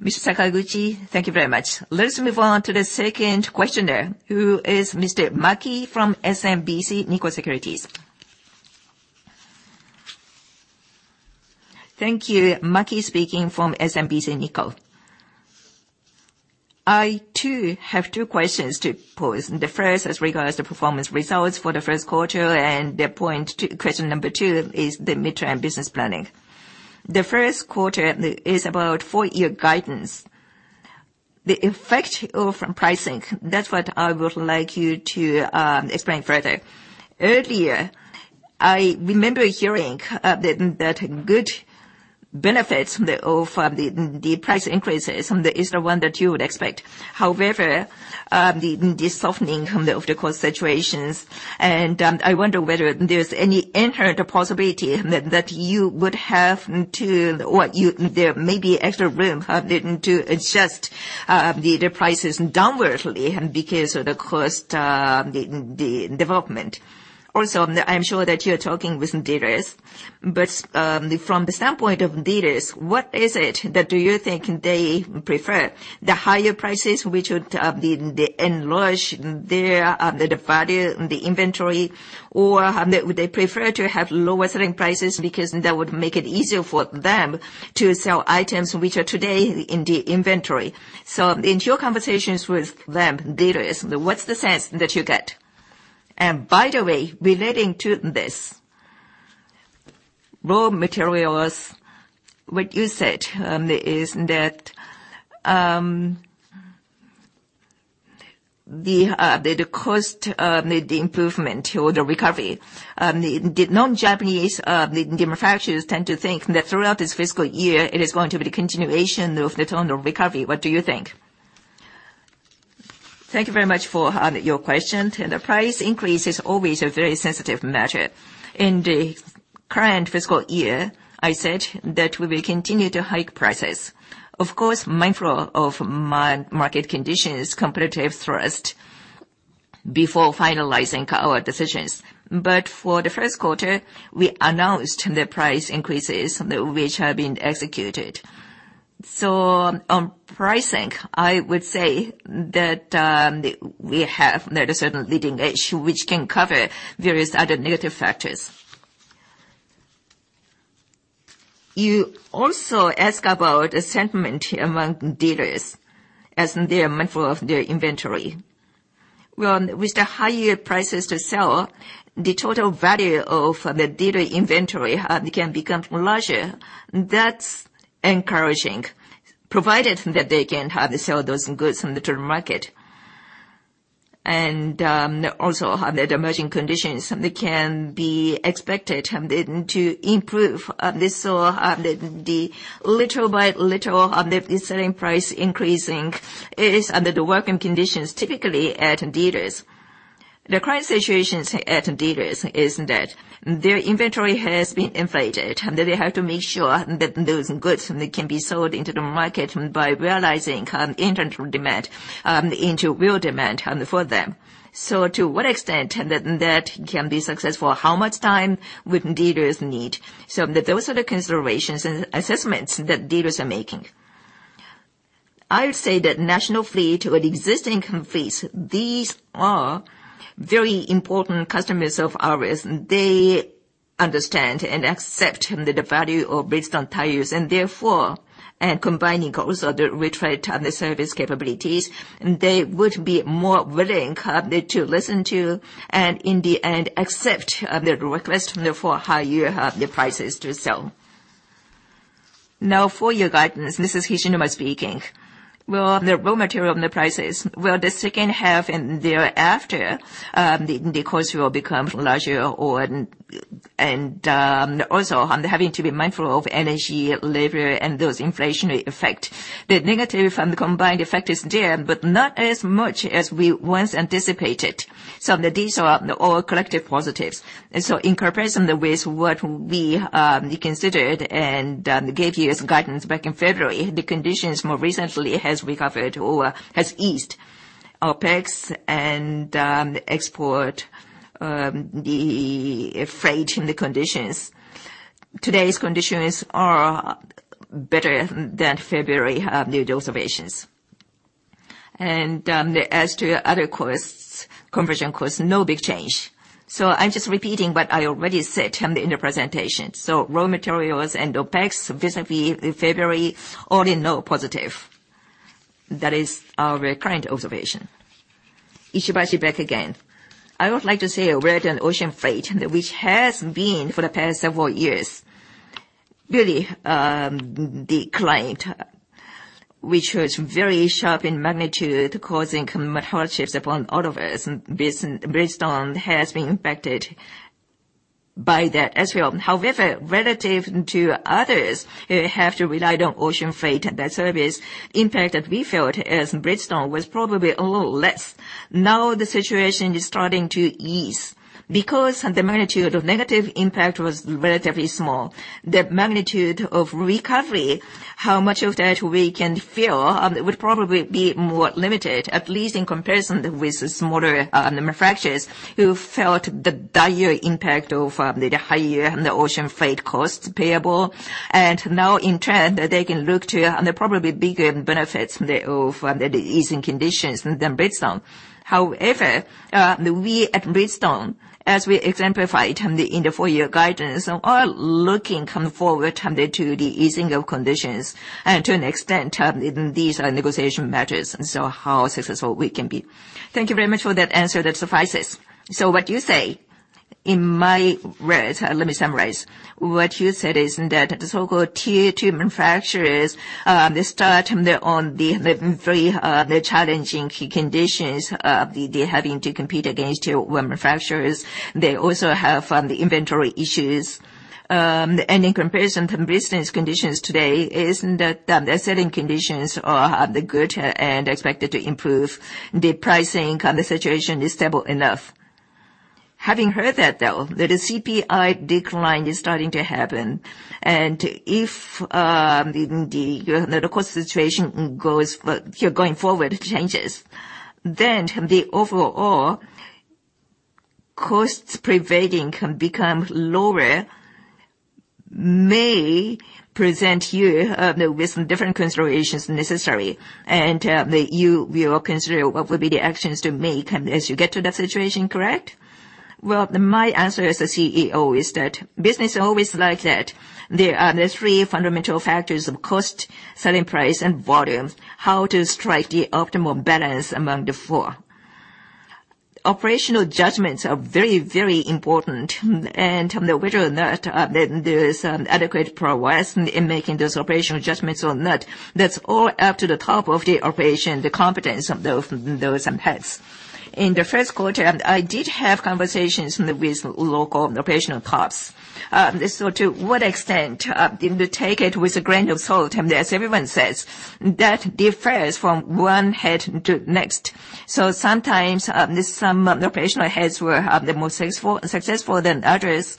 [SPEAKER 1] Mr. Sakaguchi, thank you very much.
[SPEAKER 2] Let's move on to the second questioner, who is Mr. Maki from SMBC Nikko Securities.
[SPEAKER 5] Thank you. Maki speaking from SMBC Nikko. I too have two questions to pose. The first is regards to performance results for the first quarter. The point to question number two is the Mid-Term Business Plan. The first quarter is about full-year guidance. The effect of pricing, that's what I would like you to explain further. Earlier, I remember hearing that good benefits the price increases is the one that you would expect. The softening of the cost situations, and I wonder whether there's any inherent possibility that you would have to or you there may be extra room to adjust the prices downwardly because of the cost the development. I'm sure that you're talking with dealers. From the standpoint of dealers, what is it that do you think they prefer? The higher prices, which would enlarge their the value in the inventory? They prefer to have lower selling prices because that would make it easier for them to sell items which are today in the inventory. In your conversations with dealers, what's the sense that you get? By the way, relating to this, raw materials, what you said, is that the cost of the improvement or the recovery. The non-Japanese manufacturers tend to think that throughout this fiscal year, it is going to be the continuation of the tone of recovery. What do you think?
[SPEAKER 1] Thank you very much for your question. The price increase is always a very sensitive matter. In the current fiscal year, I said that we will continue to hike prices. Of course, mindful of market conditions, competitive thrust before finalizing our decisions. For the first quarter, we announced the price increases which have been executed. On pricing, I would say that we have now a certain leading edge which can cover various other negative factors. You also ask about the sentiment among dealers as they are mindful of their inventory. Well, with the higher prices to sell, the total value of the dealer inventory can become larger. That's encouraging, provided that they can sell those goods in the current market. Also that emerging conditions can be expected then to improve this or the little by little of the selling price increasing is under the working conditions typically at dealers. The current situation at dealers is that their inventory has been inflated and they have to make sure that those goods can be sold into the market by realizing internal demand into real demand for them. To what extent that can be successful? How much time would dealers need? Those are the considerations and assessments that dealers are making. I would say that national fleet or existing fleets, these are very important customers of ours. They understand and accept the value of Bridgestone tires and therefore, and combining also the retread and the service capabilities, they would be more willing to listen to, and in the end, accept the request for higher prices to sell. Full year guidance. This is Hishinuma speaking. The raw material and the prices, the second half and thereafter, the cost will become larger. Also having to be mindful of energy, labor and those inflationary effect. The negative from the combined effect is there, but not as much as we once anticipated. These are all collective positives. In comparison with what we reconsidered and gave you as guidance back in February, the conditions more recently has recovered or has eased. OPEX and export, the freight and the conditions. Today's conditions are better than February observations. As to other costs, conversion costs, no big change. I'm just repeating what I already said in the presentation. Raw materials and OpEx vis-a-vis February, all in all positive. That is our current observation. Ishibashi back again. I would like to say regarding ocean freight, which has been for the past several years really declined, which was very sharp in magnitude, causing hardships upon all of us. Bridgestone has been impacted by that as well. However, relative to others who have to rely on ocean freight, that service impact that we felt as Bridgestone was probably a little less. Now the situation is starting to ease because the magnitude of negative impact was relatively small. The magnitude of recovery, how much of that we can feel, would probably be more limited, at least in comparison with smaller manufacturers who felt the dire impact of the higher ocean freight costs payable. Now in turn, they can look to the probably bigger benefits of the easing conditions than Bridgestone. We at Bridgestone, as we exemplified in the full year guidance, are looking come forward to the easing of conditions to an extent. These are negotiation matters. How successful we can be.
[SPEAKER 5] Thank you very much for that answer. That suffices. What you say, in my words, let me summarize. What you said is that the so-called tier two manufacturers, they start on the very challenging conditions, they're having to compete against tier one manufacturers. They also have inventory issues. In comparison to business conditions today is that the selling conditions are good and expected to improve. The pricing situation is stable enough. Having heard that though, the CPI decline is starting to happen, if the cost situation going forward changes, then the overall costs prevailing can become lower, may present you with some different considerations necessary. You will consider what would be the actions to make as you get to that situation, correct?
[SPEAKER 1] Well, my answer as the CEO is that business always like that. There are the three fundamental factors of cost, selling price and volume. How to strike the optimal balance among the four. Operational judgments are very, very important, and whether or not there is adequate progress in making those operational judgments or not, that's all up to the top of the operation, the competence of those in place. In the first quarter, I did have conversations with local operational tops. To what extent? Take it with a grain of salt, as everyone says. That differs from one head to next. Sometimes some operational heads were the most successful than others.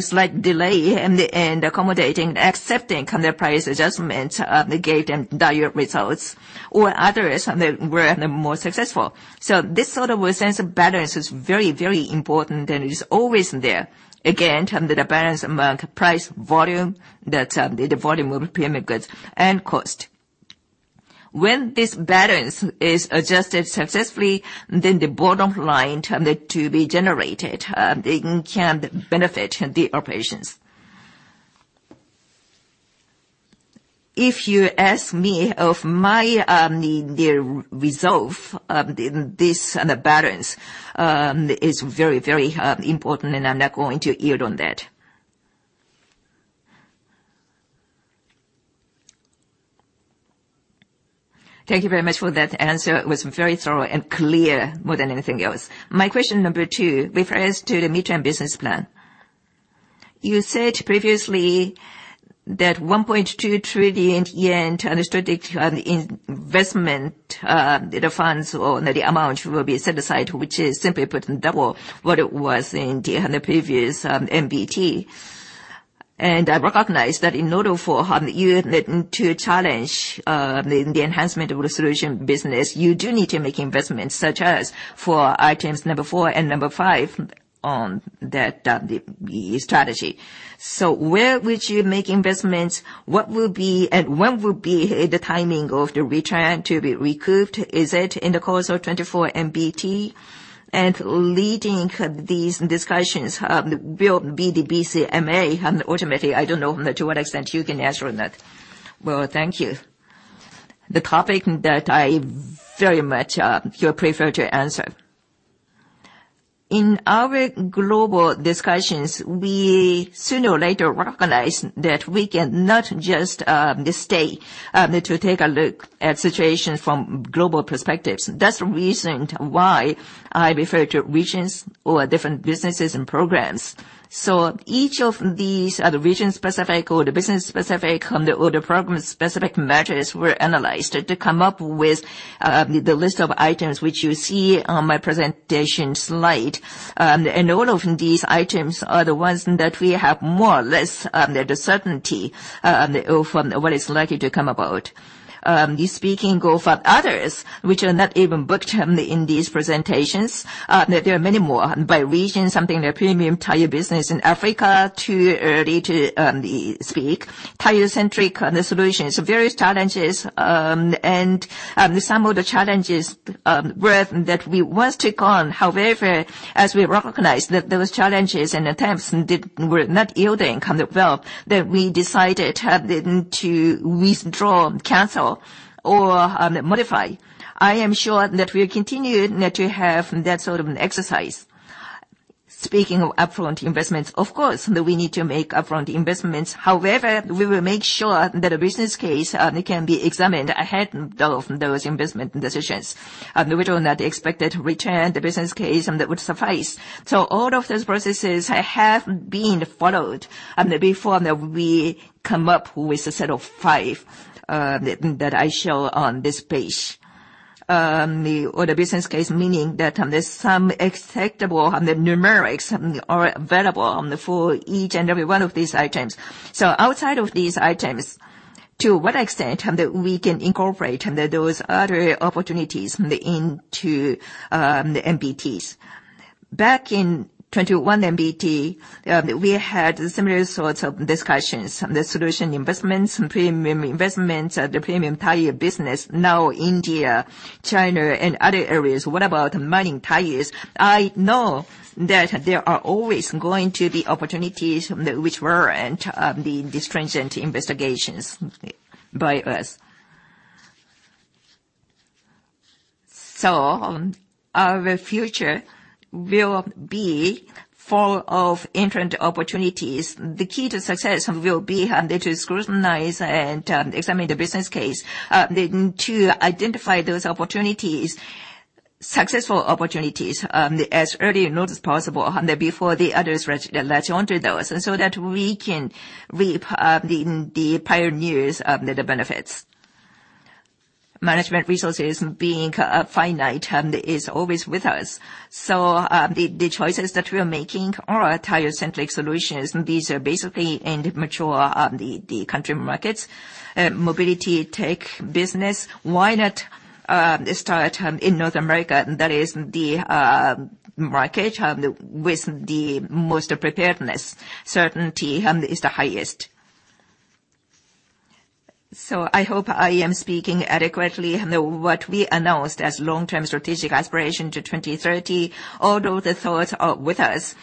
[SPEAKER 1] Slight delay in accommodating, accepting the price adjustment gave them dire results. Others were more successful. This sort of a sense of balance is very, very important and is always there. Again, the balance among price, volume, that's the volume of premium goods, and cost. When this balance is adjusted successfully, then the bottom line to be generated, can benefit the operations. If you ask me of my, the resolve, this balance is very, very important, and I'm not going to yield on that.
[SPEAKER 5] Thank you very much for that answer. It was very thorough and clear more than anything else. My question number two refers to the Mid-Term Business Plan. You said previously that 1.2 trillion yen to understand the investment, the funds or the amount will be set aside, which is simply put double what it was in the previous, MBP. I recognize that in order for you then to challenge, the enhancement of the solution business, you do need to make investments such as for items number four and number five on that, strategy. Where would you make investments? What will be... When will be the timing of the return to be recouped?
[SPEAKER 1] Is it in the course of 2024 MBP? Leading these discussions will be the BCMA. Ultimately, I don't know to what extent you can answer that. Well, thank you. The topic that I very much you prefer to answer. In our global discussions, we sooner or later recognized that we cannot just stay to take a look at situation from global perspectives. That's the reason why I refer to regions or different businesses and programs. Each of these are the region-specific or the business-specific or the program-specific measures were analyzed to come up with the list of items which you see on my presentation slide. All of these items are the ones that we have more or less the certainty of what is likely to come about. Speaking of others which are not even booked, in these presentations, there are many more by region. Something the premium tire business in Africa, too early to speak. Tire-centric solutions, various challenges, and some of the challenges were that we once took on. However, as we recognized that those challenges and attempts were not yielding on the well, that we decided then to withdraw, cancel, or modify. I am sure that we'll continue then to have that sort of exercise. Speaking of upfront investments, of course, that we need to make upfront investments. However, we will make sure that a business case can be examined ahead of those investment decisions. We don't know the expected return, the business case, and that would suffice. All of those processes have been followed before we come up with a set of five that I show on this page. The business case meaning that on the sum acceptable on the numerics are available on the, for each and every one of these items. Outside of these items, to what extent that we can incorporate and that those are opportunities into the MBPs. Back in 2021 MBP, we had similar sorts of discussions. The solution investments and premium investments at the premium tire business. Now India, China, and other areas, what about mining tires? I know that there are always going to be opportunities which warrant these transient investigations by us. Our future will be full of interim opportunities. The key to success will be then to scrutinize and examine the business case, then to identify those opportunities, successful opportunities, as early and not as possible, and before the others latch onto those, and so that we can reap the pioneers of the benefits. Management resources being finite is always with us. The choices that we are making are tire-centric solutions. These are basically in the mature the country markets. Mobility tech business, why not start in North America? That is the market with the most preparedness, certainty is the highest. I hope I am speaking adequately on the, what we announced as long-term strategic aspiration to 2030. All those thoughts are with us.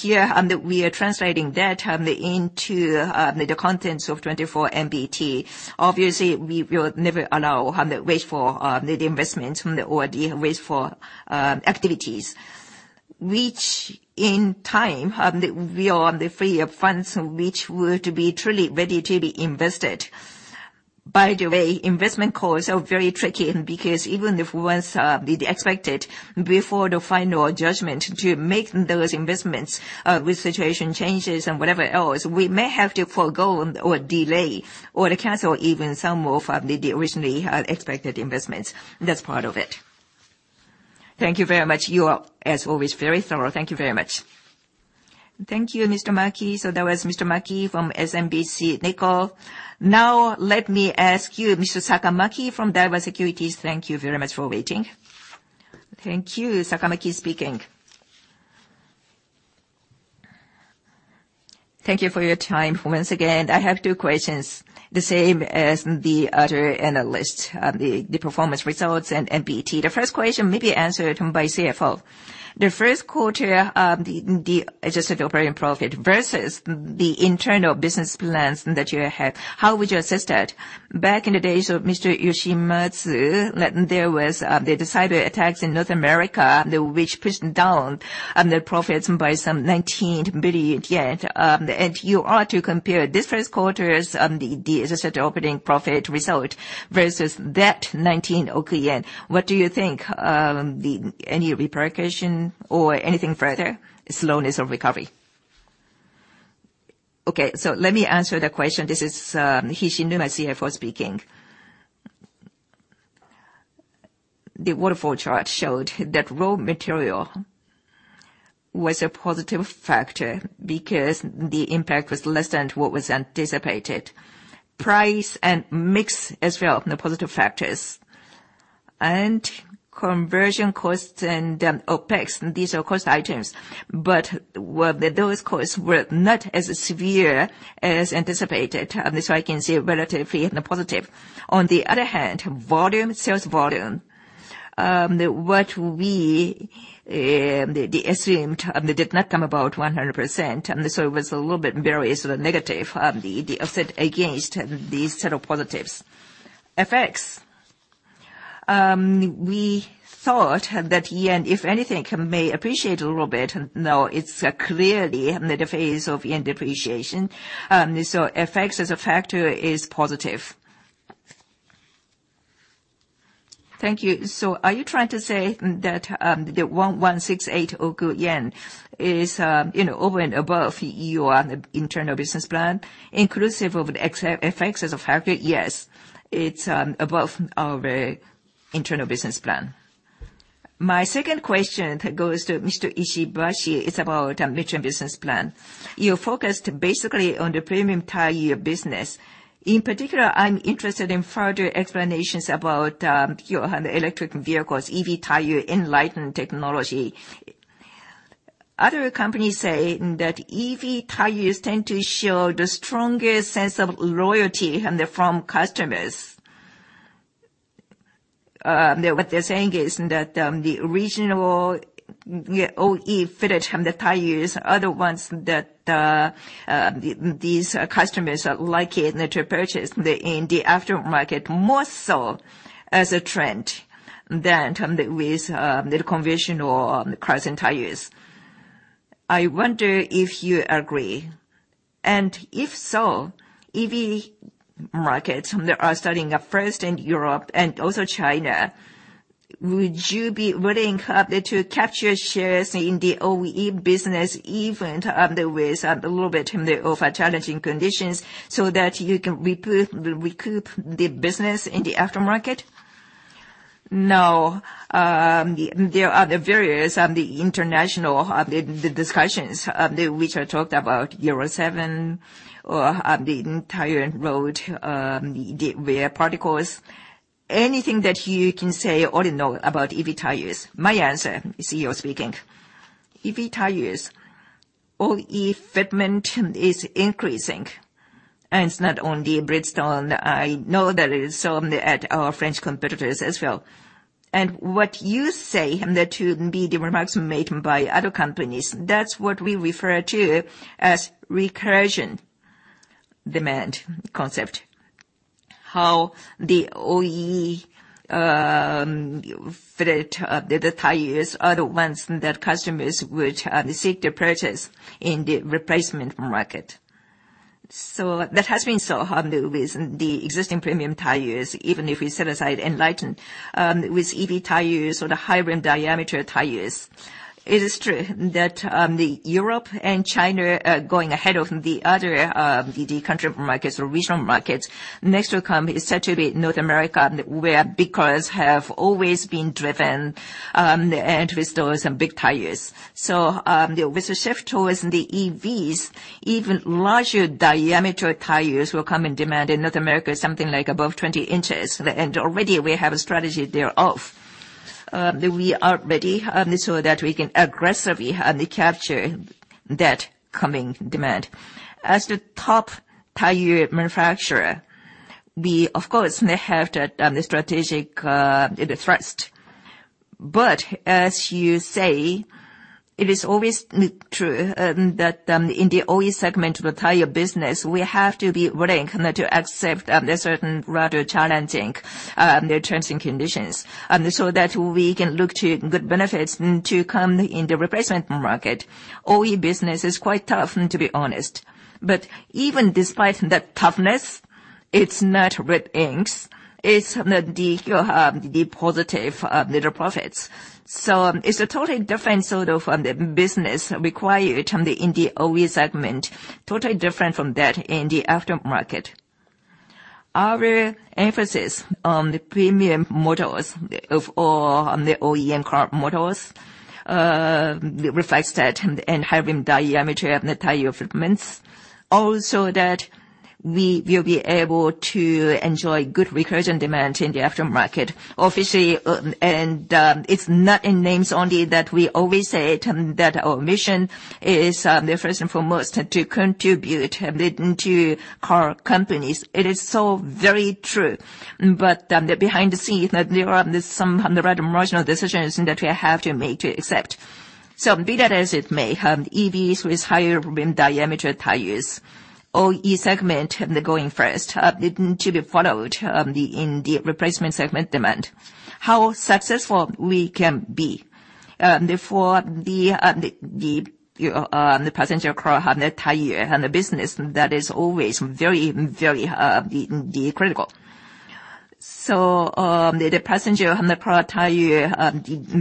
[SPEAKER 1] Here we are translating that into the contents of 2024 MBP. Obviously, we will never allow wasteful investments from the wasteful activities. In time, we are on the free of funds which were to be truly ready to be invested. By the way, investment calls are very tricky, because even if once the expected before the final judgment to make those investments, with situation changes and whatever else, we may have to forgo or delay or cancel even some of the originally expected investments. That's part of it.
[SPEAKER 5] Thank you very much. You are, as always, very thorough. Thank you very much.
[SPEAKER 2] Thank you, Mr. Maki. That was Mr. Maki from SMBC Nikko. Let me ask you, Mr. Sakamaki from Daiwa Securities, thank you very much for waiting.
[SPEAKER 6] Thank you. Sakamaki speaking. Thank you for your time once again. I have two questions, the same as the other analysts on the performance results and MTP. The first question may be answered by CFO. The first quarter, the adjusted operating profit versus the internal business plans that you have, how would you assess that? Back in the days of Mr. Yoshimatsu, that there was the cyberattacks in North America which pushed down the profits by some 19 billion yen. You are to compare this first quarter's the adjusted operating profit result versus that 19 billion yen. What do you think, any repercussion or anything further? Slowness of recovery.
[SPEAKER 3] Okay, let me answer the question. This is Hishinuma, CFO speaking. The waterfall chart showed that raw material was a positive factor because the impact was less than what was anticipated. Price and mix as well, the positive factors. Conversion costs and OpEx, these are cost items. What those costs were not as severe as anticipated. I can say relatively in the positive. On the other hand, volume, sales volume, the estimate did not come about 100%, it was a little bit various negative. The offset against these set of positives. FX. We thought that yen, if anything, may appreciate a little bit. No, it's clearly in the phase of yen depreciation. FX as a factor is positive.
[SPEAKER 6] Thank you. Are you trying to say that, you know, the JPY 116.8 billion is over and above your internal business plan? Inclusive of the ex- FX as a factor?
[SPEAKER 3] Yes. It's above our internal business plan.
[SPEAKER 6] My second question goes to Mr. Ishibashi. It's about Mid-Term Business Plan. You're focused basically on the premium tire business. In particular, I'm interested in further explanations about your electric vehicles, EV tire ENLITEN technology. Other companies say that EV tires tend to show the strongest sense of loyalty from customers. What they're saying is that the original OE fitted tires are the ones that these customers are likely to purchase in the aftermarket more so as a trend than with the conventional cars and tires. I wonder if you agree. If so, EV markets that are starting up first in Europe and also China, would you be willing to capture shares in the OE business, even with a little bit of challenging conditions, so that you can recoup the business in the aftermarket?
[SPEAKER 1] No.
[SPEAKER 6] There are the various of the international of the discussions of the, which I talked about Euro 7 or the tire road, the rare particles. Anything that you can say or know about EV tires?
[SPEAKER 1] My answer, CEO speaking. EV tires, OE fitment is increasing, and it's not only Bridgestone. I know that it is so at our French competitors as well. What you say, and that would be the remarks made by other companies, that's what we refer to as recursion demand concept. How the OE fit, the tires are the ones that customers would seek to purchase in the replacement market. That has been so with the existing premium tires, even if we set aside ENLITEN. With EV tires or the high rim diameter tires, it is true that the Europe and China are going ahead of the other country markets or regional markets. Next to come is said to be North America, where big cars have always been driven, and with those big tires. With the shift towards the EVs, even larger diameter tires will come in demand in North America, something like above 20 inches. Already we have a strategy thereof, that we are ready, so that we can aggressively capture that coming demand. As the top tire manufacturer, we of course may have the strategic thrust. As you say, it is always true that in the OE segment of the tire business, we have to be willing to accept the certain rather challenging terms and conditions, so that we can look to good benefits to come in the replacement market. OE business is quite tough, to be honest. Even despite that toughness, it's not red inks, it's your positive little profits. It's a totally different sort of business required in the OE segment, totally different from that in the aftermarket. Our emphasis on the premium models of all on the OEM car models reflects that in having diameter of the tire fitments. Also, that we will be able to enjoy good recursion demand in the aftermarket. Obviously, it's not in names only that we always say it, that our mission is, the first and foremost to contribute leading to car companies. It is so very true. The behind the scenes that there are some rather marginal decisions that we have to make to accept. Be that as it may, EVs with higher rim diameter tires, OE segment the going first, to be followed, the in the replacement segment demand. How successful we can be, before the, your, the passenger car tire and the business, that is always very, very, the critical. The passenger on the product whole year,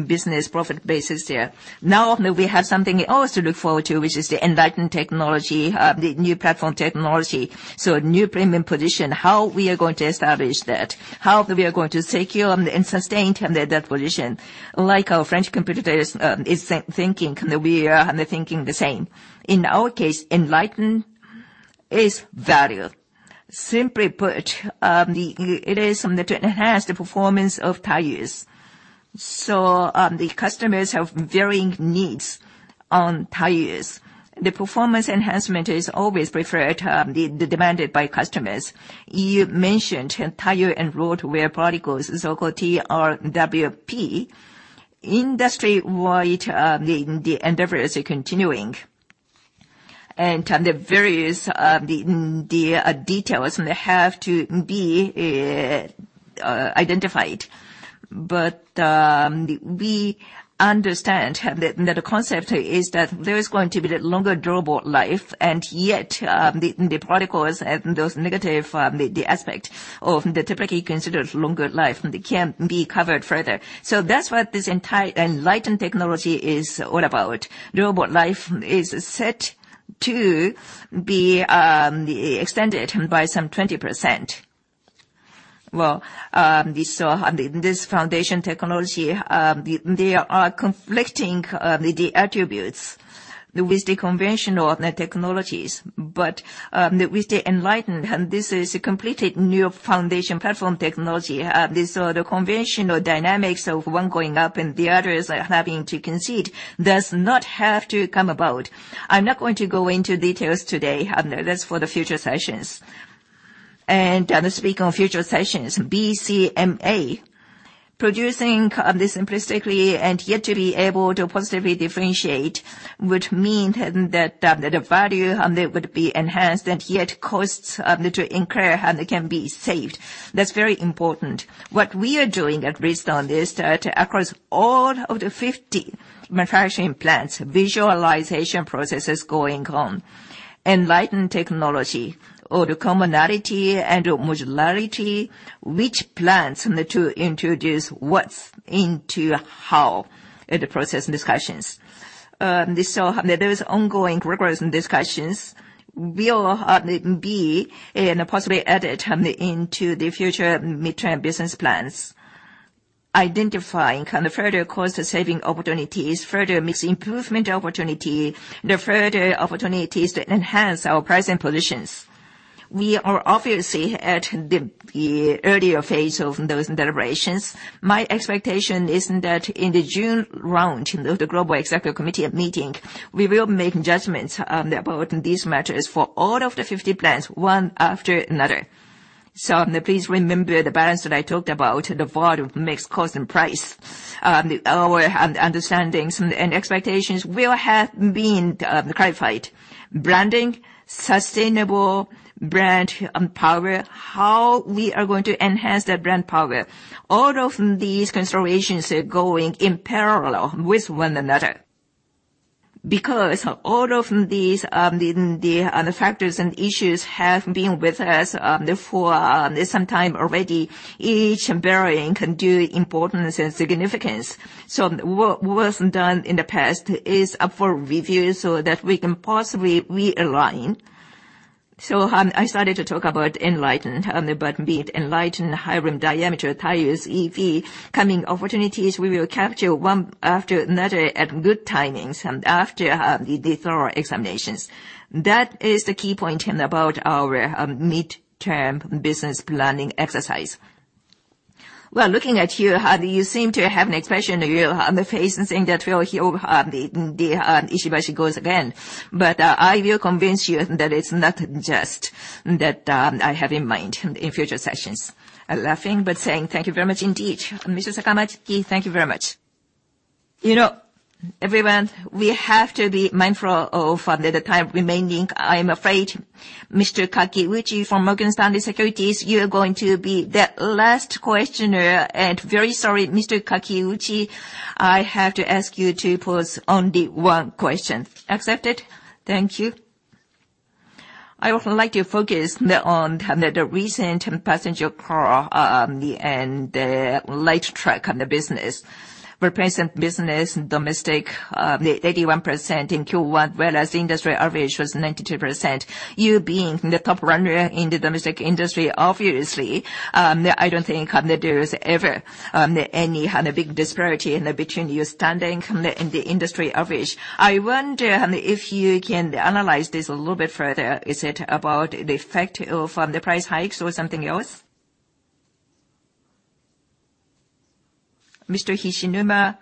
[SPEAKER 1] business profit basis there. Now that we have something else to look forward to, which is the ENLITEN technology, the new platform technology. New premium position, how we are going to establish that? How we are going to secure and sustain that position? Like our French competitors, we are thinking the same. In our case, ENLITEN is value. Simply put, it is something to enhance the performance of tires. The customers have varying needs on tires. The performance enhancement is always preferred, demanded by customers. You mentioned tire and road wear particles, so-called TRWP. Industry-wide, the endeavors are continuing. The various details have to be identified. We understand that the concept is that there is going to be that longer durable life, and yet, the particles have those negative aspect of the typically considered longer life can be covered further. That's what this entire ENLITEN technology is all about. Durable life is set to be extended by some 20%. This foundation technology, there are conflicting attributes with the conventional technologies. With the ENLITEN, and this is a completely new foundation platform technology. This sort of conventional dynamics of one going up and the other is having to concede does not have to come about. I'm not going to go into details today. That's for the future sessions. Speaking of future sessions, BCMA. Producing this simplistically and yet to be able to positively differentiate would mean then that the value that would be enhanced and yet costs to incur can be saved. That's very important. What we are doing at Bridgestone is that across all of the 50 manufacturing plants, visualization process is going on. ENLITEN technology, or the commonality and modularity, which plants need to introduce what into how in the process discussions. This all, there is ongoing rigorous discussions will be and possibly added into the future Mid-Term Business Plans. Identifying kind of further cost-saving opportunities, further mix improvement opportunity, the further opportunities to enhance our pricing positions. We are obviously at the earlier phase of those deliberations. My expectation is that in the June round of the global executive committee meeting, we will make judgments about these matters for all of the 50 plants, one after another. Please remember the balance that I talked about, the value of mixed cost and price. Our understanding and expectations will have been clarified. Branding, sustainable brand power, how we are going to enhance that brand power. All of these considerations are going in parallel with one another. All of these, the factors and issues have been with us for some time already, each varying can do importance and significance. What was done in the past is up for review so that we can possibly realign. I started to talk about ENLITEN, but be it ENLITEN, high rim diameter tires, EV, coming opportunities, we will capture one after another at good timings and after the thorough examinations. That is the key point about our Mid-Term Business Planning exercise. Well, looking at you seem to have an expression on your face and saying that, "Well, here the Ishibashi goes again." I will convince you that it's not just that I have in mind in future sessions.
[SPEAKER 6] Thank you very much indeed.
[SPEAKER 1] Mr. Sakamaki, thank you very much. You know, everyone, we have to be mindful of the time remaining. I am afraid Mr. Kakiuchi from Morgan Stanley Securities, you are going to be the last questioner. Very sorry, Mr. Kakiuchi, I have to ask you to pose only one question.
[SPEAKER 7] Accepted? Thank you. I would like to focus on the recent passenger car and light truck on the business. Replacing business domestic, 81% in Q1, whereas the industry average was 92%. You being the top runner in the domestic industry, obviously, I don't think there is ever any big disparity in between your standing in the industry average. I wonder if you can analyze this a little bit further. Is it about the effect of the price hikes or something else?
[SPEAKER 1] Mr. Hishinuma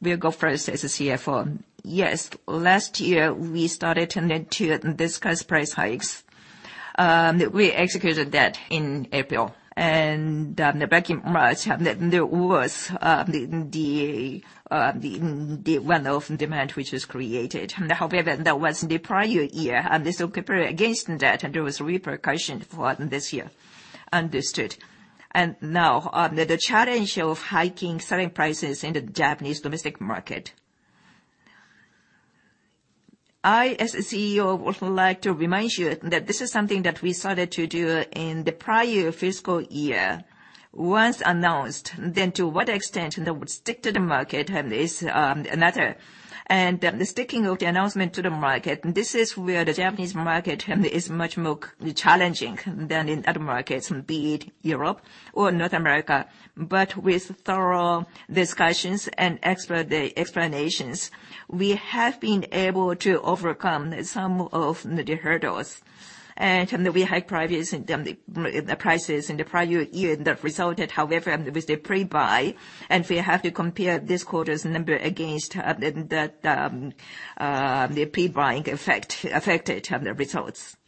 [SPEAKER 1] will go first as the CFO.
[SPEAKER 3] Yes. Last year, we started to discuss price hikes. We executed that in April. Back in March, there was the one-off demand which was created. However, that was the prior year. This will compare against that, and there was repercussion for this year. Understood. Now, the challenge of hiking selling prices in the Japanese domestic market. I, as a CEO, would like to remind you that this is something that we started to do in the prior fiscal year. Once announced, then to what extent that would stick to the market is another. The sticking of the announcement to the market, this is where the Japanese market is much more challenging than in other markets, be it Europe or North America. With thorough discussions and expert explanations, we have been able to overcome some of the hurdles.
[SPEAKER 1] From the we had previous, the prices in the prior year that resulted, however, with the pre-buy, and we have to compare this quarter's number against, the pre-buying effect affected the results.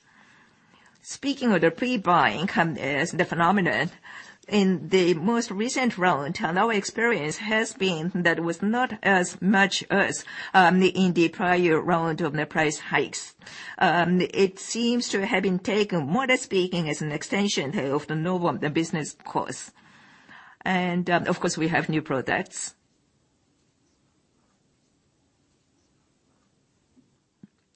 [SPEAKER 1] Speaking of the pre-buying, as the phenomenon, in the most recent round, our experience has been that it was not as much as, in the prior round of the price hikes. It seems to have been taken more than speaking as an extension of the normal business course. Of course, we have new products.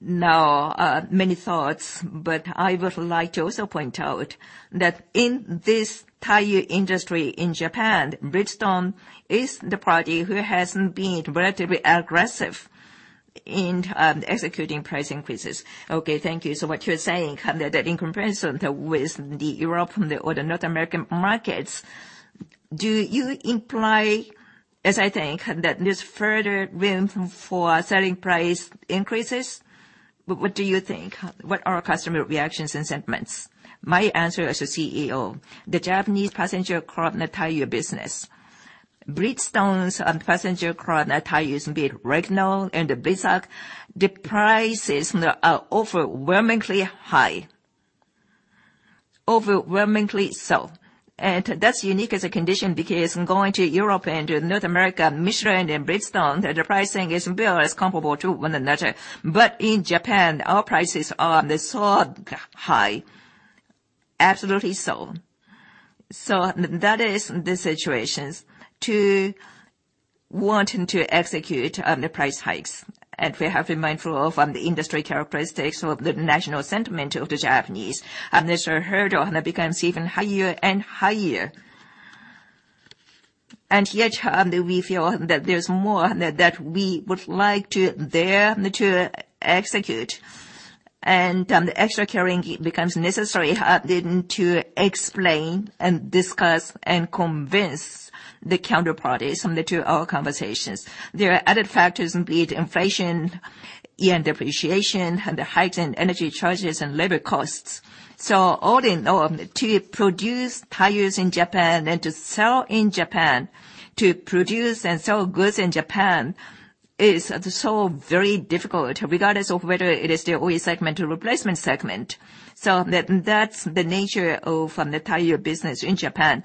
[SPEAKER 1] Now, many thoughts, but I would like to also point out that in this tire industry in Japan, Bridgestone is the party who has been relatively aggressive in, executing price increases.
[SPEAKER 7] Okay, thank you. What you're saying, that in comparison with Europe and the other North American markets, do you imply, as I think, that there's further room for selling price increases? What do you think? What are customer reactions and sentiments?
[SPEAKER 1] My answer as a CEO, the Japanese passenger car and the tire business. Bridgestone's and passenger car tires, be it Regno and Bridgestone, the prices are overwhelmingly high. Overwhelmingly so. That's unique as a condition because going to Europe and to North America, Michelin and Bridgestone, the pricing is well, it's comparable to one another. In Japan, our prices are the sort high. Absolutely so. That is the situations to wanting to execute the price hikes. We have been mindful of the industry characteristics or the national sentiment of the Japanese. There's a hurdle that becomes even higher and higher. Yet, we feel that there's more that we would like to dare to execute. The extra caring becomes necessary then to explain and discuss and convince the counterparties from our conversations. There are other factors, be it inflation, yen depreciation, and the heightened energy charges and labor costs. All in all, to produce tires in Japan and to sell in Japan, to produce and sell goods in Japan is so very difficult, regardless of whether it is the OE segment or replacement segment. That's the nature of the tire business in Japan.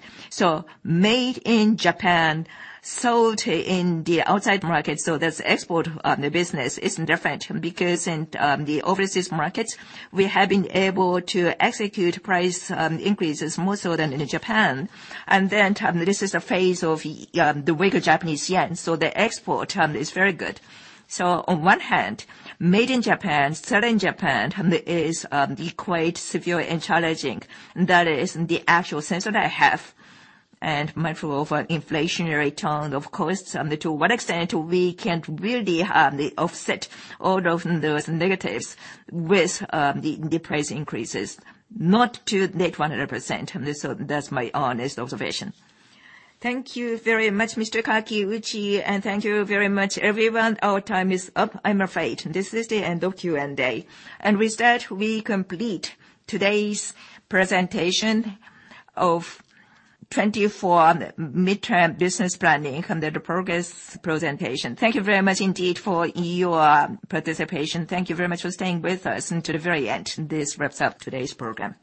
[SPEAKER 1] Made in Japan, sold in the outside market, that's export, the business is different because in the overseas markets, we have been able to execute price increases more so than in Japan. This is a phase of the weaker Japanese yen, so the export is very good. On one hand, made in Japan, sell in Japan, is quite severe and challenging. That is the actual sense that I have. Mindful of inflationary trend of costs, to what extent we can't really offset all of those negatives with the price increases. Not to net 100%. That's my honest observation. Thank you very much, Mr. Kakiuchi, and thank you very much, everyone. Our time is up, I'm afraid. This is the end of Q&A. With that, we complete today's presentation of 2024 Mid-Term Business Plan and the progress presentation. Thank you very much indeed for your participation. Thank you very much for staying with us until the very end. This wraps up today's program.